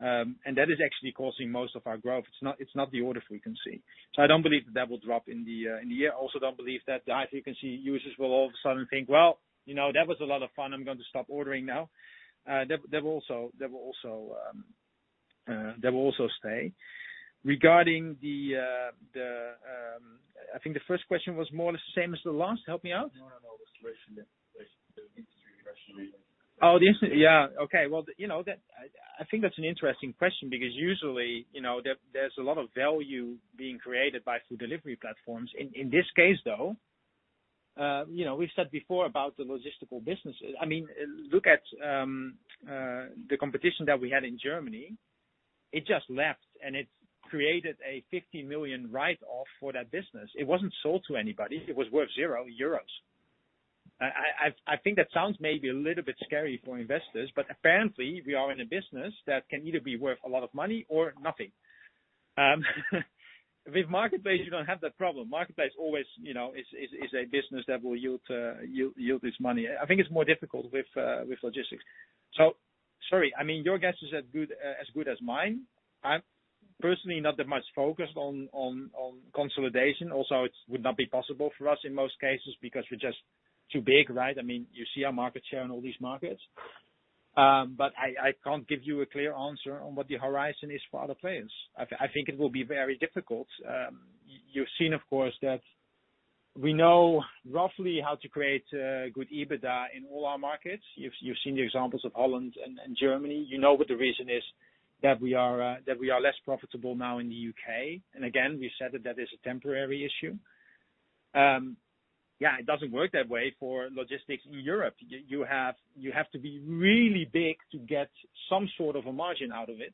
and that is actually causing most of our growth. It's not the order frequency. I don't believe that that will drop in the year. I also don't believe that the high-frequency users will all of a sudden think, "Well, that was a lot of fun. I'm going to stop ordering now." They will also stay. I think the first question was more the same as the last. Help me out. No, the situation in relation to the industry rationalization. The industry. Yeah. Okay. I think that's an interesting question because usually, there's a lot of value being created by food delivery platforms. In this case, though, we've said before about the logistical business. Look at the competition that we had in Germany. It just left, and it created a 50 million write-off for that business. It wasn't sold to anybody. It was worth 0 euros. I think that sounds maybe a little bit scary for investors, but apparently, we are in a business that can either be worth a lot of money or nothing. With marketplace, you don't have that problem. Marketplace always is a business that will yield this money. I think it's more difficult with logistics. Sorry. Your guess is as good as mine. I'm personally not that much focused on consolidation. It would not be possible for us in most cases because we're just too big. You see our market share in all these markets. I can't give you a clear answer on what the horizon is for other players. I think it will be very difficult. You've seen, of course, that we know roughly how to create good EBITDA in all our markets. You've seen the examples of Holland and Germany. You know what the reason is that we are less profitable now in the U.K. Again, we said that that is a temporary issue. Yeah, it doesn't work that way for logistics in Europe. You have to be really big to get some sort of a margin out of it.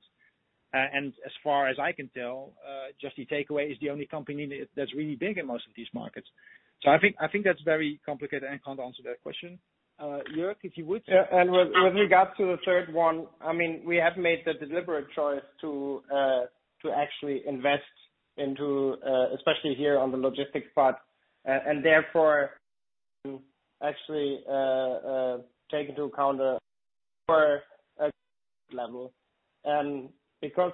As far as I can tell, Just Eat Takeaway.com is the only company that's really big in most of these markets. I think that's very complicated, and I can't answer that question. Jörg, if you would. With regard to the third one, we have made the deliberate choice to actually invest into, especially here on the logistics part, and therefore, to actually take into account the level.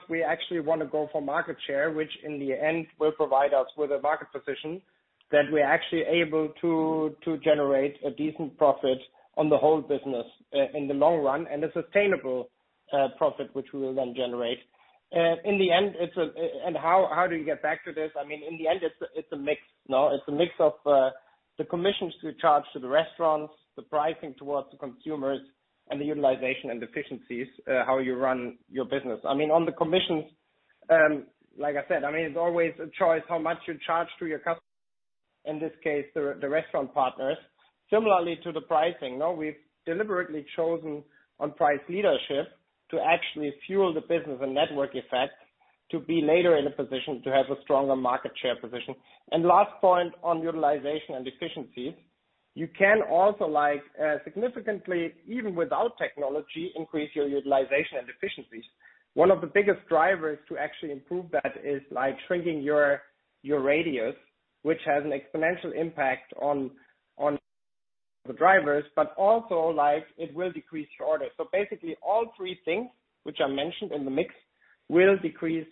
We actually want to go for market share, which in the end will provide us with a market position that we're actually able to generate a decent profit on the whole business, in the long run, and a sustainable profit, which we will then generate. How do you get back to this? In the end, it's a mix. No? It's a mix of the commissions we charge to the restaurants, the pricing towards the consumers, and the utilization and efficiencies, how you run your business. On the commissions, like I said, it's always a choice how much you charge to your customer, in this case, the restaurant partners. Similarly to the pricing, no? We've deliberately chosen on price leadership to actually fuel the business and network effect to be later in a position to have a stronger market share position. Last point on utilization and efficiencies, you can also significantly, even without technology, increase your utilization and efficiencies. One of the biggest drivers to actually improve that is by shrinking your radius, which has an exponential impact on the drivers, but also, it will decrease your orders. Basically, all three things which are mentioned in the mix will decrease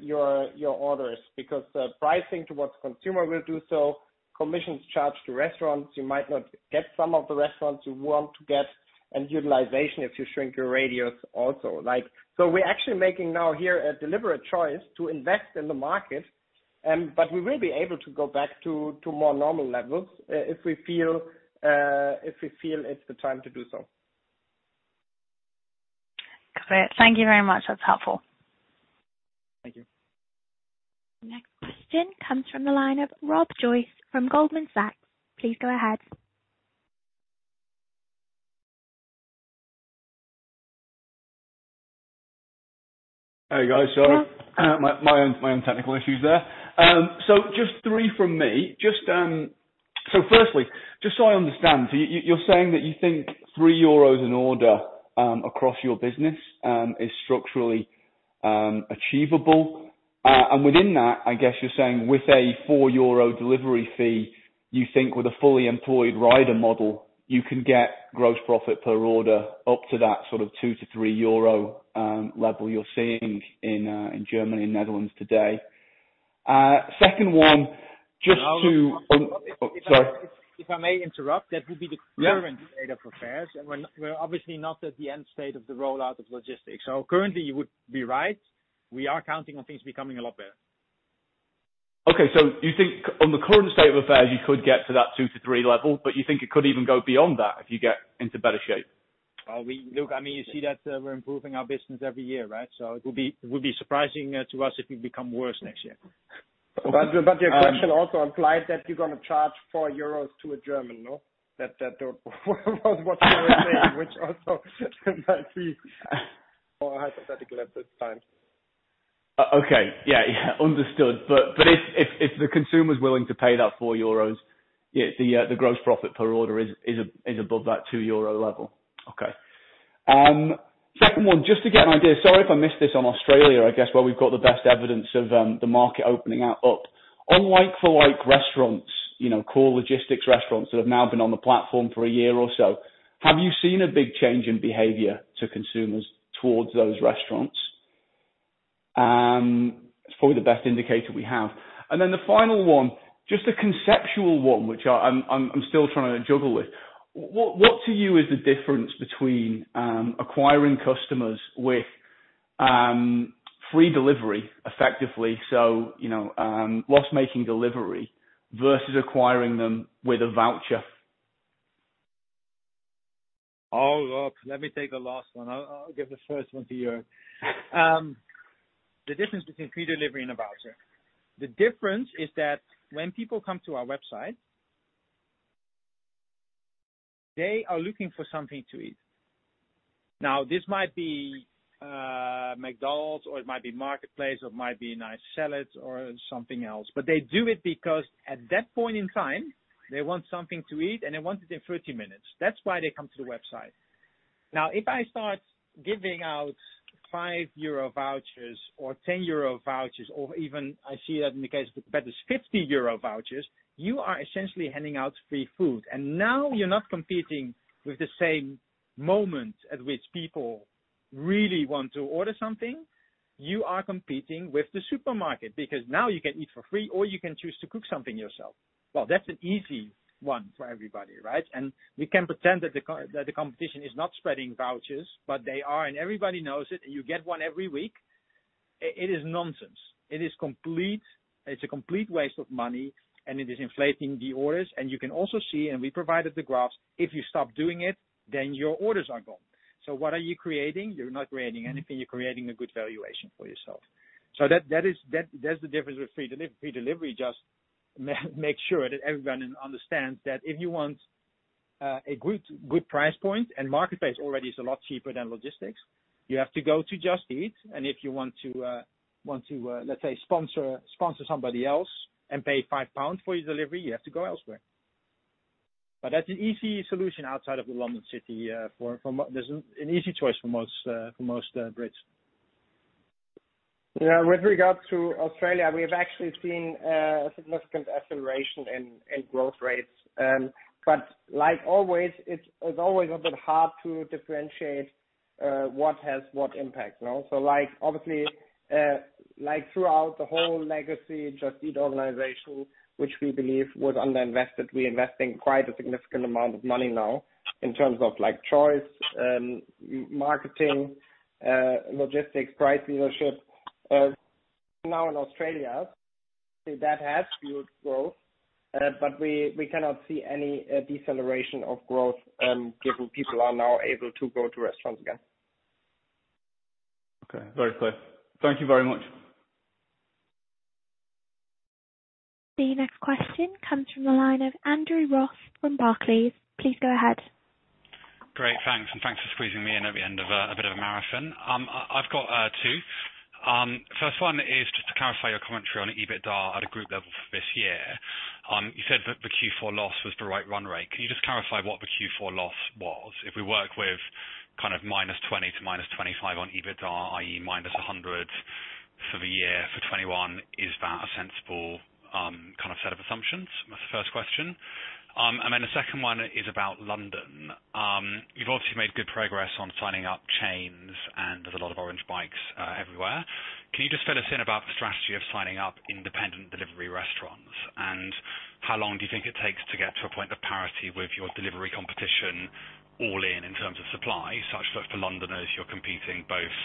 your orders. Because the pricing towards consumer will do so, commissions charged to restaurants, you might not get some of the restaurants you want to get, and utilization if you shrink your radius also. We're actually making now here a deliberate choice to invest in the market, but we will be able to go back to more normal levels, if we feel it's the time to do so. Great. Thank you very much. That's helpful. Thank you. The next question comes from the line of Rob Joyce from Goldman Sachs. Please go ahead. Hey, guys. Sorry. Hello. My own technical issues there. Just three from me. Firstly, just so I understand, you're saying that you think 3 euros an order, across your business, is structurally achievable. Within that, I guess you're saying with a 4 euro delivery fee, you think with a fully employed rider model, you can get gross profit per order up to that sort of 2- 3 euro level you're seeing in Germany and Netherlands today. Second one, Oh, sorry. If I may interrupt, that would be the current state of affairs. We're obviously not at the end state of the rollout of logistics. Currently you would be right. We are counting on things becoming a lot better. Okay. Do you think on the current state of affairs, you could get to that 2-3 level, but you think it could even go beyond that if you get into better shape? Look, you see that we're improving our business every year, right? It would be surprising to us if we become worse next year. Your question also implied that you're going to charge 4 euros to a German, no? That was what you were saying, which also might be more hypothetical at this time. Okay. Yeah. Understood. If the consumer is willing to pay that 4 euros, the gross profit per order is above that 2 euro level. Okay. Second one, just to get an idea. Sorry if I missed this on Australia, I guess, where we've got the best evidence of the market opening up. On like-for-like restaurants, core logistics restaurants that have now been on the platform for one year or so, have you seen a big change in behavior to consumers towards those restaurants? It's probably the best indicator we have. Then the final one, just a conceptual one, which I'm still trying to juggle with. What to you is the difference between acquiring customers with free delivery effectively, so loss-making delivery versus acquiring them with a voucher? Let me take the last one. I'll give the first one to Jörg. The difference between free delivery and a voucher. The difference is that when people come to our website, they are looking for something to eat. This might be McDonald's or it might be marketplace, or it might be a nice salad or something else. They do it because at that point in time, they want something to eat, and they want it in 30 minutes. That's why they come to the website. If I start giving out 5 euro vouchers or 10 euro vouchers, or even I see that in the case of competitors, 50 euro vouchers, you are essentially handing out free food. Now you're not competing with the same moment at which people really want to order something. You are competing with the supermarket because now you can eat for free, or you can choose to cook something yourself. Well, that's an easy one for everybody, right? We can pretend that the competition is not spreading vouchers, but they are, and everybody knows it, and you get one every week. It is nonsense. It's a complete waste of money, and it is inflating the orders. You can also see, and we provided the graphs, if you stop doing it, then your orders are gone. What are you creating? You're not creating anything. You're creating a good valuation for yourself. That's the difference with free delivery. Just make sure that everyone understands that if you want a good price point, and marketplace already is a lot cheaper than logistics, you have to go to Just Eat. If you want to, let's say, sponsor somebody else and pay 5 pounds for your delivery, you have to go elsewhere. That's an easy solution outside of the London city. There's an easy choice for most Brits. Yeah. With regards to Australia, we have actually seen a significant acceleration in growth rates. Like always, it's always a bit hard to differentiate what has what impact. Obviously, throughout the whole legacy Just Eat organization, which we believe was underinvested, we invest in quite a significant amount of money now in terms of choice, marketing, logistics, price leadership. Now in Australia, that has fueled growth, but we cannot see any deceleration of growth given people are now able to go to restaurants again. Okay. Very clear. Thank you very much. The next question comes from the line of Andrew Ross from Barclays. Please go ahead. Great. Thanks. Thanks for squeezing me in at the end of a bit of a marathon. I've got two. First one is just to clarify your commentary on EBITDA at a group level for this year. You said that the Q4 loss was the right run rate. Can you just clarify what the Q4 loss was? If we work with -20 to -25 on EBITDA, i.e., -100 for the year for 2021, is that a sensible kind of set of assumptions? That's the first question. Then the second one is about London. You've obviously made good progress on signing up chains. There's a lot of orange bikes everywhere. Can you just fill us in about the strategy of signing up independent delivery restaurants? How long do you think it takes to get to a point of parity with your delivery competition all in terms of supply, such that for Londoners, you're competing both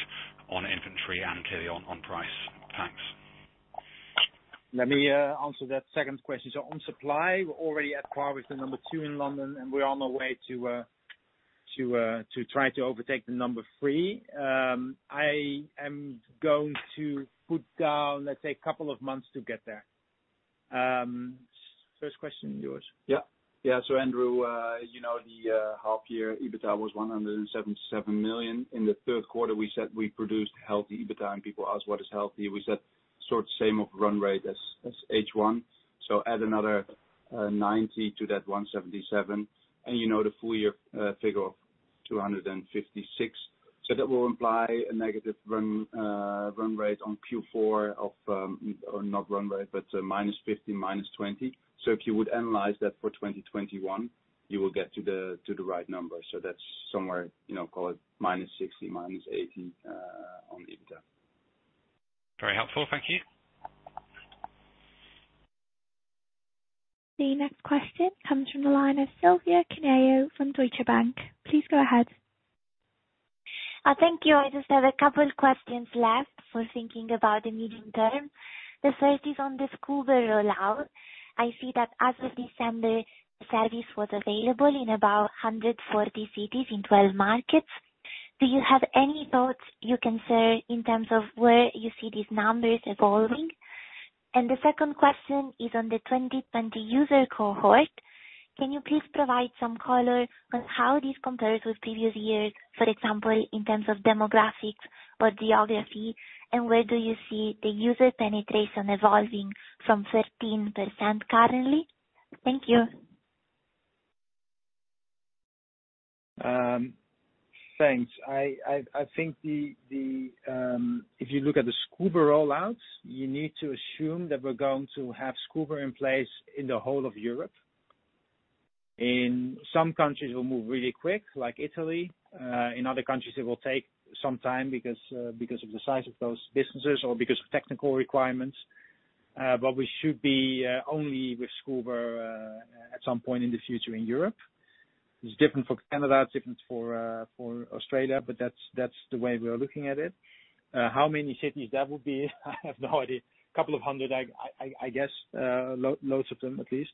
on inventory and clearly on price? Thanks. Let me answer that second question. On supply, we're already at par with the number two in London, and we're on our way to try to overtake the number three. I am going to put down, let's say, a couple of months to get there. First question is yours. Andrew, as you know, the half year EBITDA was 177 million. In the Q3, we said we produced healthy EBITDA and people asked what is healthy. We said sort of same of run rate as H1. Add another 90 million to that 177 million, and you know the full year figure of 256. That will imply a negative run rate on Q4, or not run rate, but -15, -20. If you would annualize that for 2021, you will get to the right number. That's somewhere, call it -60, -80 on EBITDA. Very helpful. Thank you. The next question comes from the line of Silvia Cuneo from Deutsche Bank. Please go ahead. Thank you. I just have a couple of questions left for thinking about the medium term. The first is on this Scoober rollout. I see that as of December, service was available in about 140 cities in 12 markets. Do you have any thoughts you can share in terms of where you see these numbers evolving? The second question is on the 2020 user cohort. Can you please provide some color on how this compares with previous years, for example, in terms of demographics or geography, and where do you see the user penetration evolving from 13% currently? Thank you. Thanks. I think if you look at the Scoober rollout, you need to assume that we're going to have Scoober in place in the whole of Europe. In some countries, it will move really quick, like Italy. In other countries, it will take some time because of the size of those businesses or because of technical requirements. We should be only with Scoober at some point in the future in Europe. It's different for Canada, it's different for Australia, but that's the way we are looking at it. How many cities that will be? I have no idea. A couple of hundred, I guess. Loads of them, at least.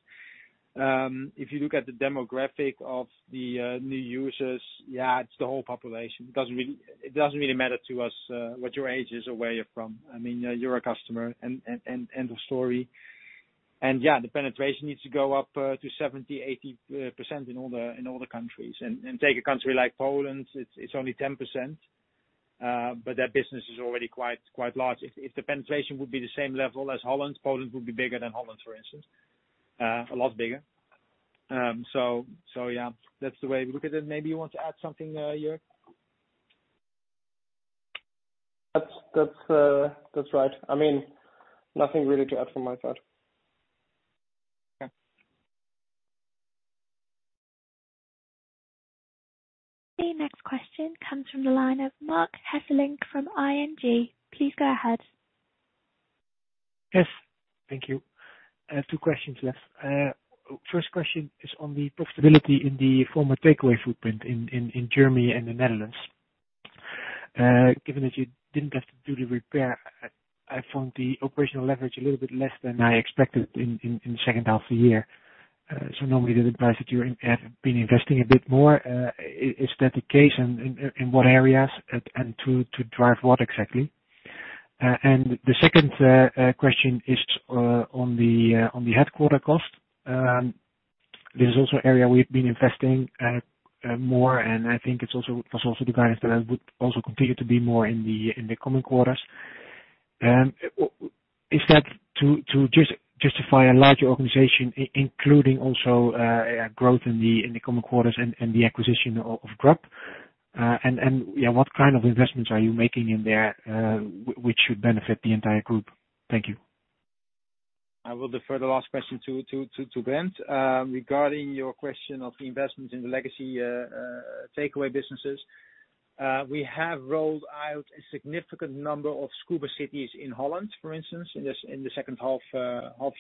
If you look at the demographic of the new users, yeah, it's the whole population. It doesn't really matter to us what your age is or where you're from. You're a customer, end of story. Yeah, the penetration needs to go up to 70%-80% in all the countries. Take a country like Poland, it's only 10%, but their business is already quite large. If the penetration would be the same level as Holland, Poland would be bigger than Holland, for instance. A lot bigger. Yeah, that's the way we look at it. Maybe you want to add something, Jörg? That's right. Nothing really to add from my side. Okay. The next question comes from the line of Marc Hesselink from ING. Please go ahead. Yes. Thank you. I have two questions left. First question is on the profitability in the former Takeaway footprint in Germany and the Netherlands. Given that you didn't have to do the repair, I found the operational leverage a little bit less than I expected in the second half of the year. Normally the advice that you have been investing a bit more, is that the case and in what areas, and to drive what exactly? The second question is on the headquarter cost. This is also an area we've been investing more, and I think it was also the guidance that would also continue to be more in the coming quarters. Is that to just justify a larger organization, including also growth in the coming quarters and the acquisition of Grub? What kind of investments are you making in there which should benefit the entire group? Thank you. I will defer the last question to Brent. Regarding your question of the investment in the legacy Takeaway businesses, we have rolled out a significant number of Scoober cities in Holland, for instance, in the second half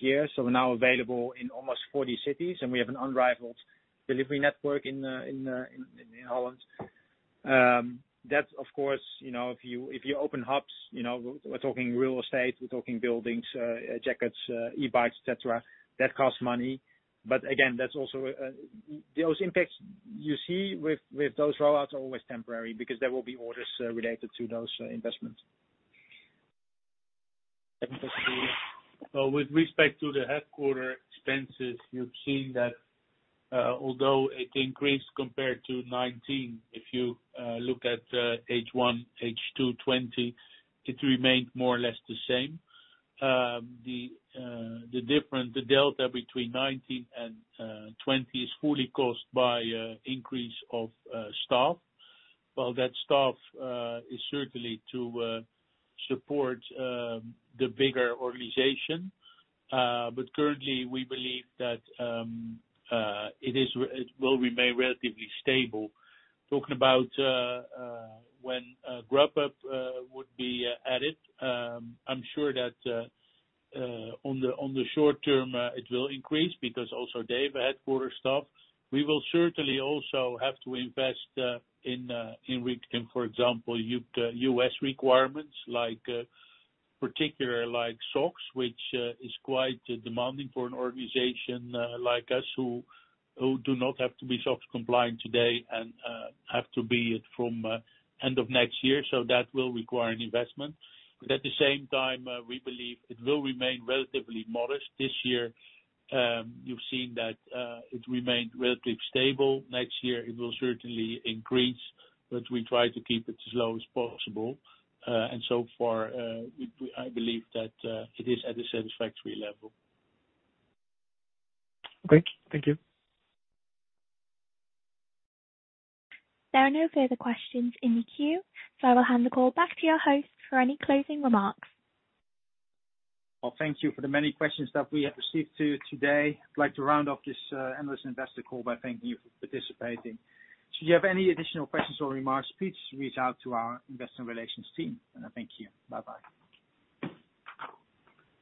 year. We're now available in almost 40 cities, and we have an unrivaled delivery network in Holland. That, of course, if you open hubs, we're talking real estate, we're talking buildings, jackets, e-bikes, et cetera, that costs money. Again, those impacts you see with those rollouts are always temporary because there will be orders related to those investments. With respect to the headquarter expenses, you've seen that although it increased compared to 2019, if you look at H1, H2 2020, it remained more or less the same. The delta between 2019 and 2020 is fully caused by increase of staff. Well, that staff is certainly to support the bigger organization. Currently, we believe that it will remain relatively stable. Talking about when Grubhub would be added, I'm sure that on the short term, it will increase because also they have headquarter staff. We will certainly also have to invest in, for example, U.S. requirements, particularly like SOX, which is quite demanding for an organization like us who do not have to be SOX-compliant today and have to be it from end of next year. That will require an investment. At the same time, we believe it will remain relatively modest. This year, you've seen that it remained relatively stable. Next year, it will certainly increase, but we try to keep it as low as possible. So far, I believe that it is at a satisfactory level. Great. Thank you. There are no further questions in the queue, so I will hand the call back to your host for any closing remarks. Well, thank you for the many questions that we have received today. I'd like to round off this analyst investor call by thanking you for participating. Should you have any additional questions or remarks, please reach out to our investor relations team. Thank you. Bye-bye.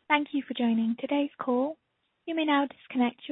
Thank you for joining today's call. You may now disconnect your-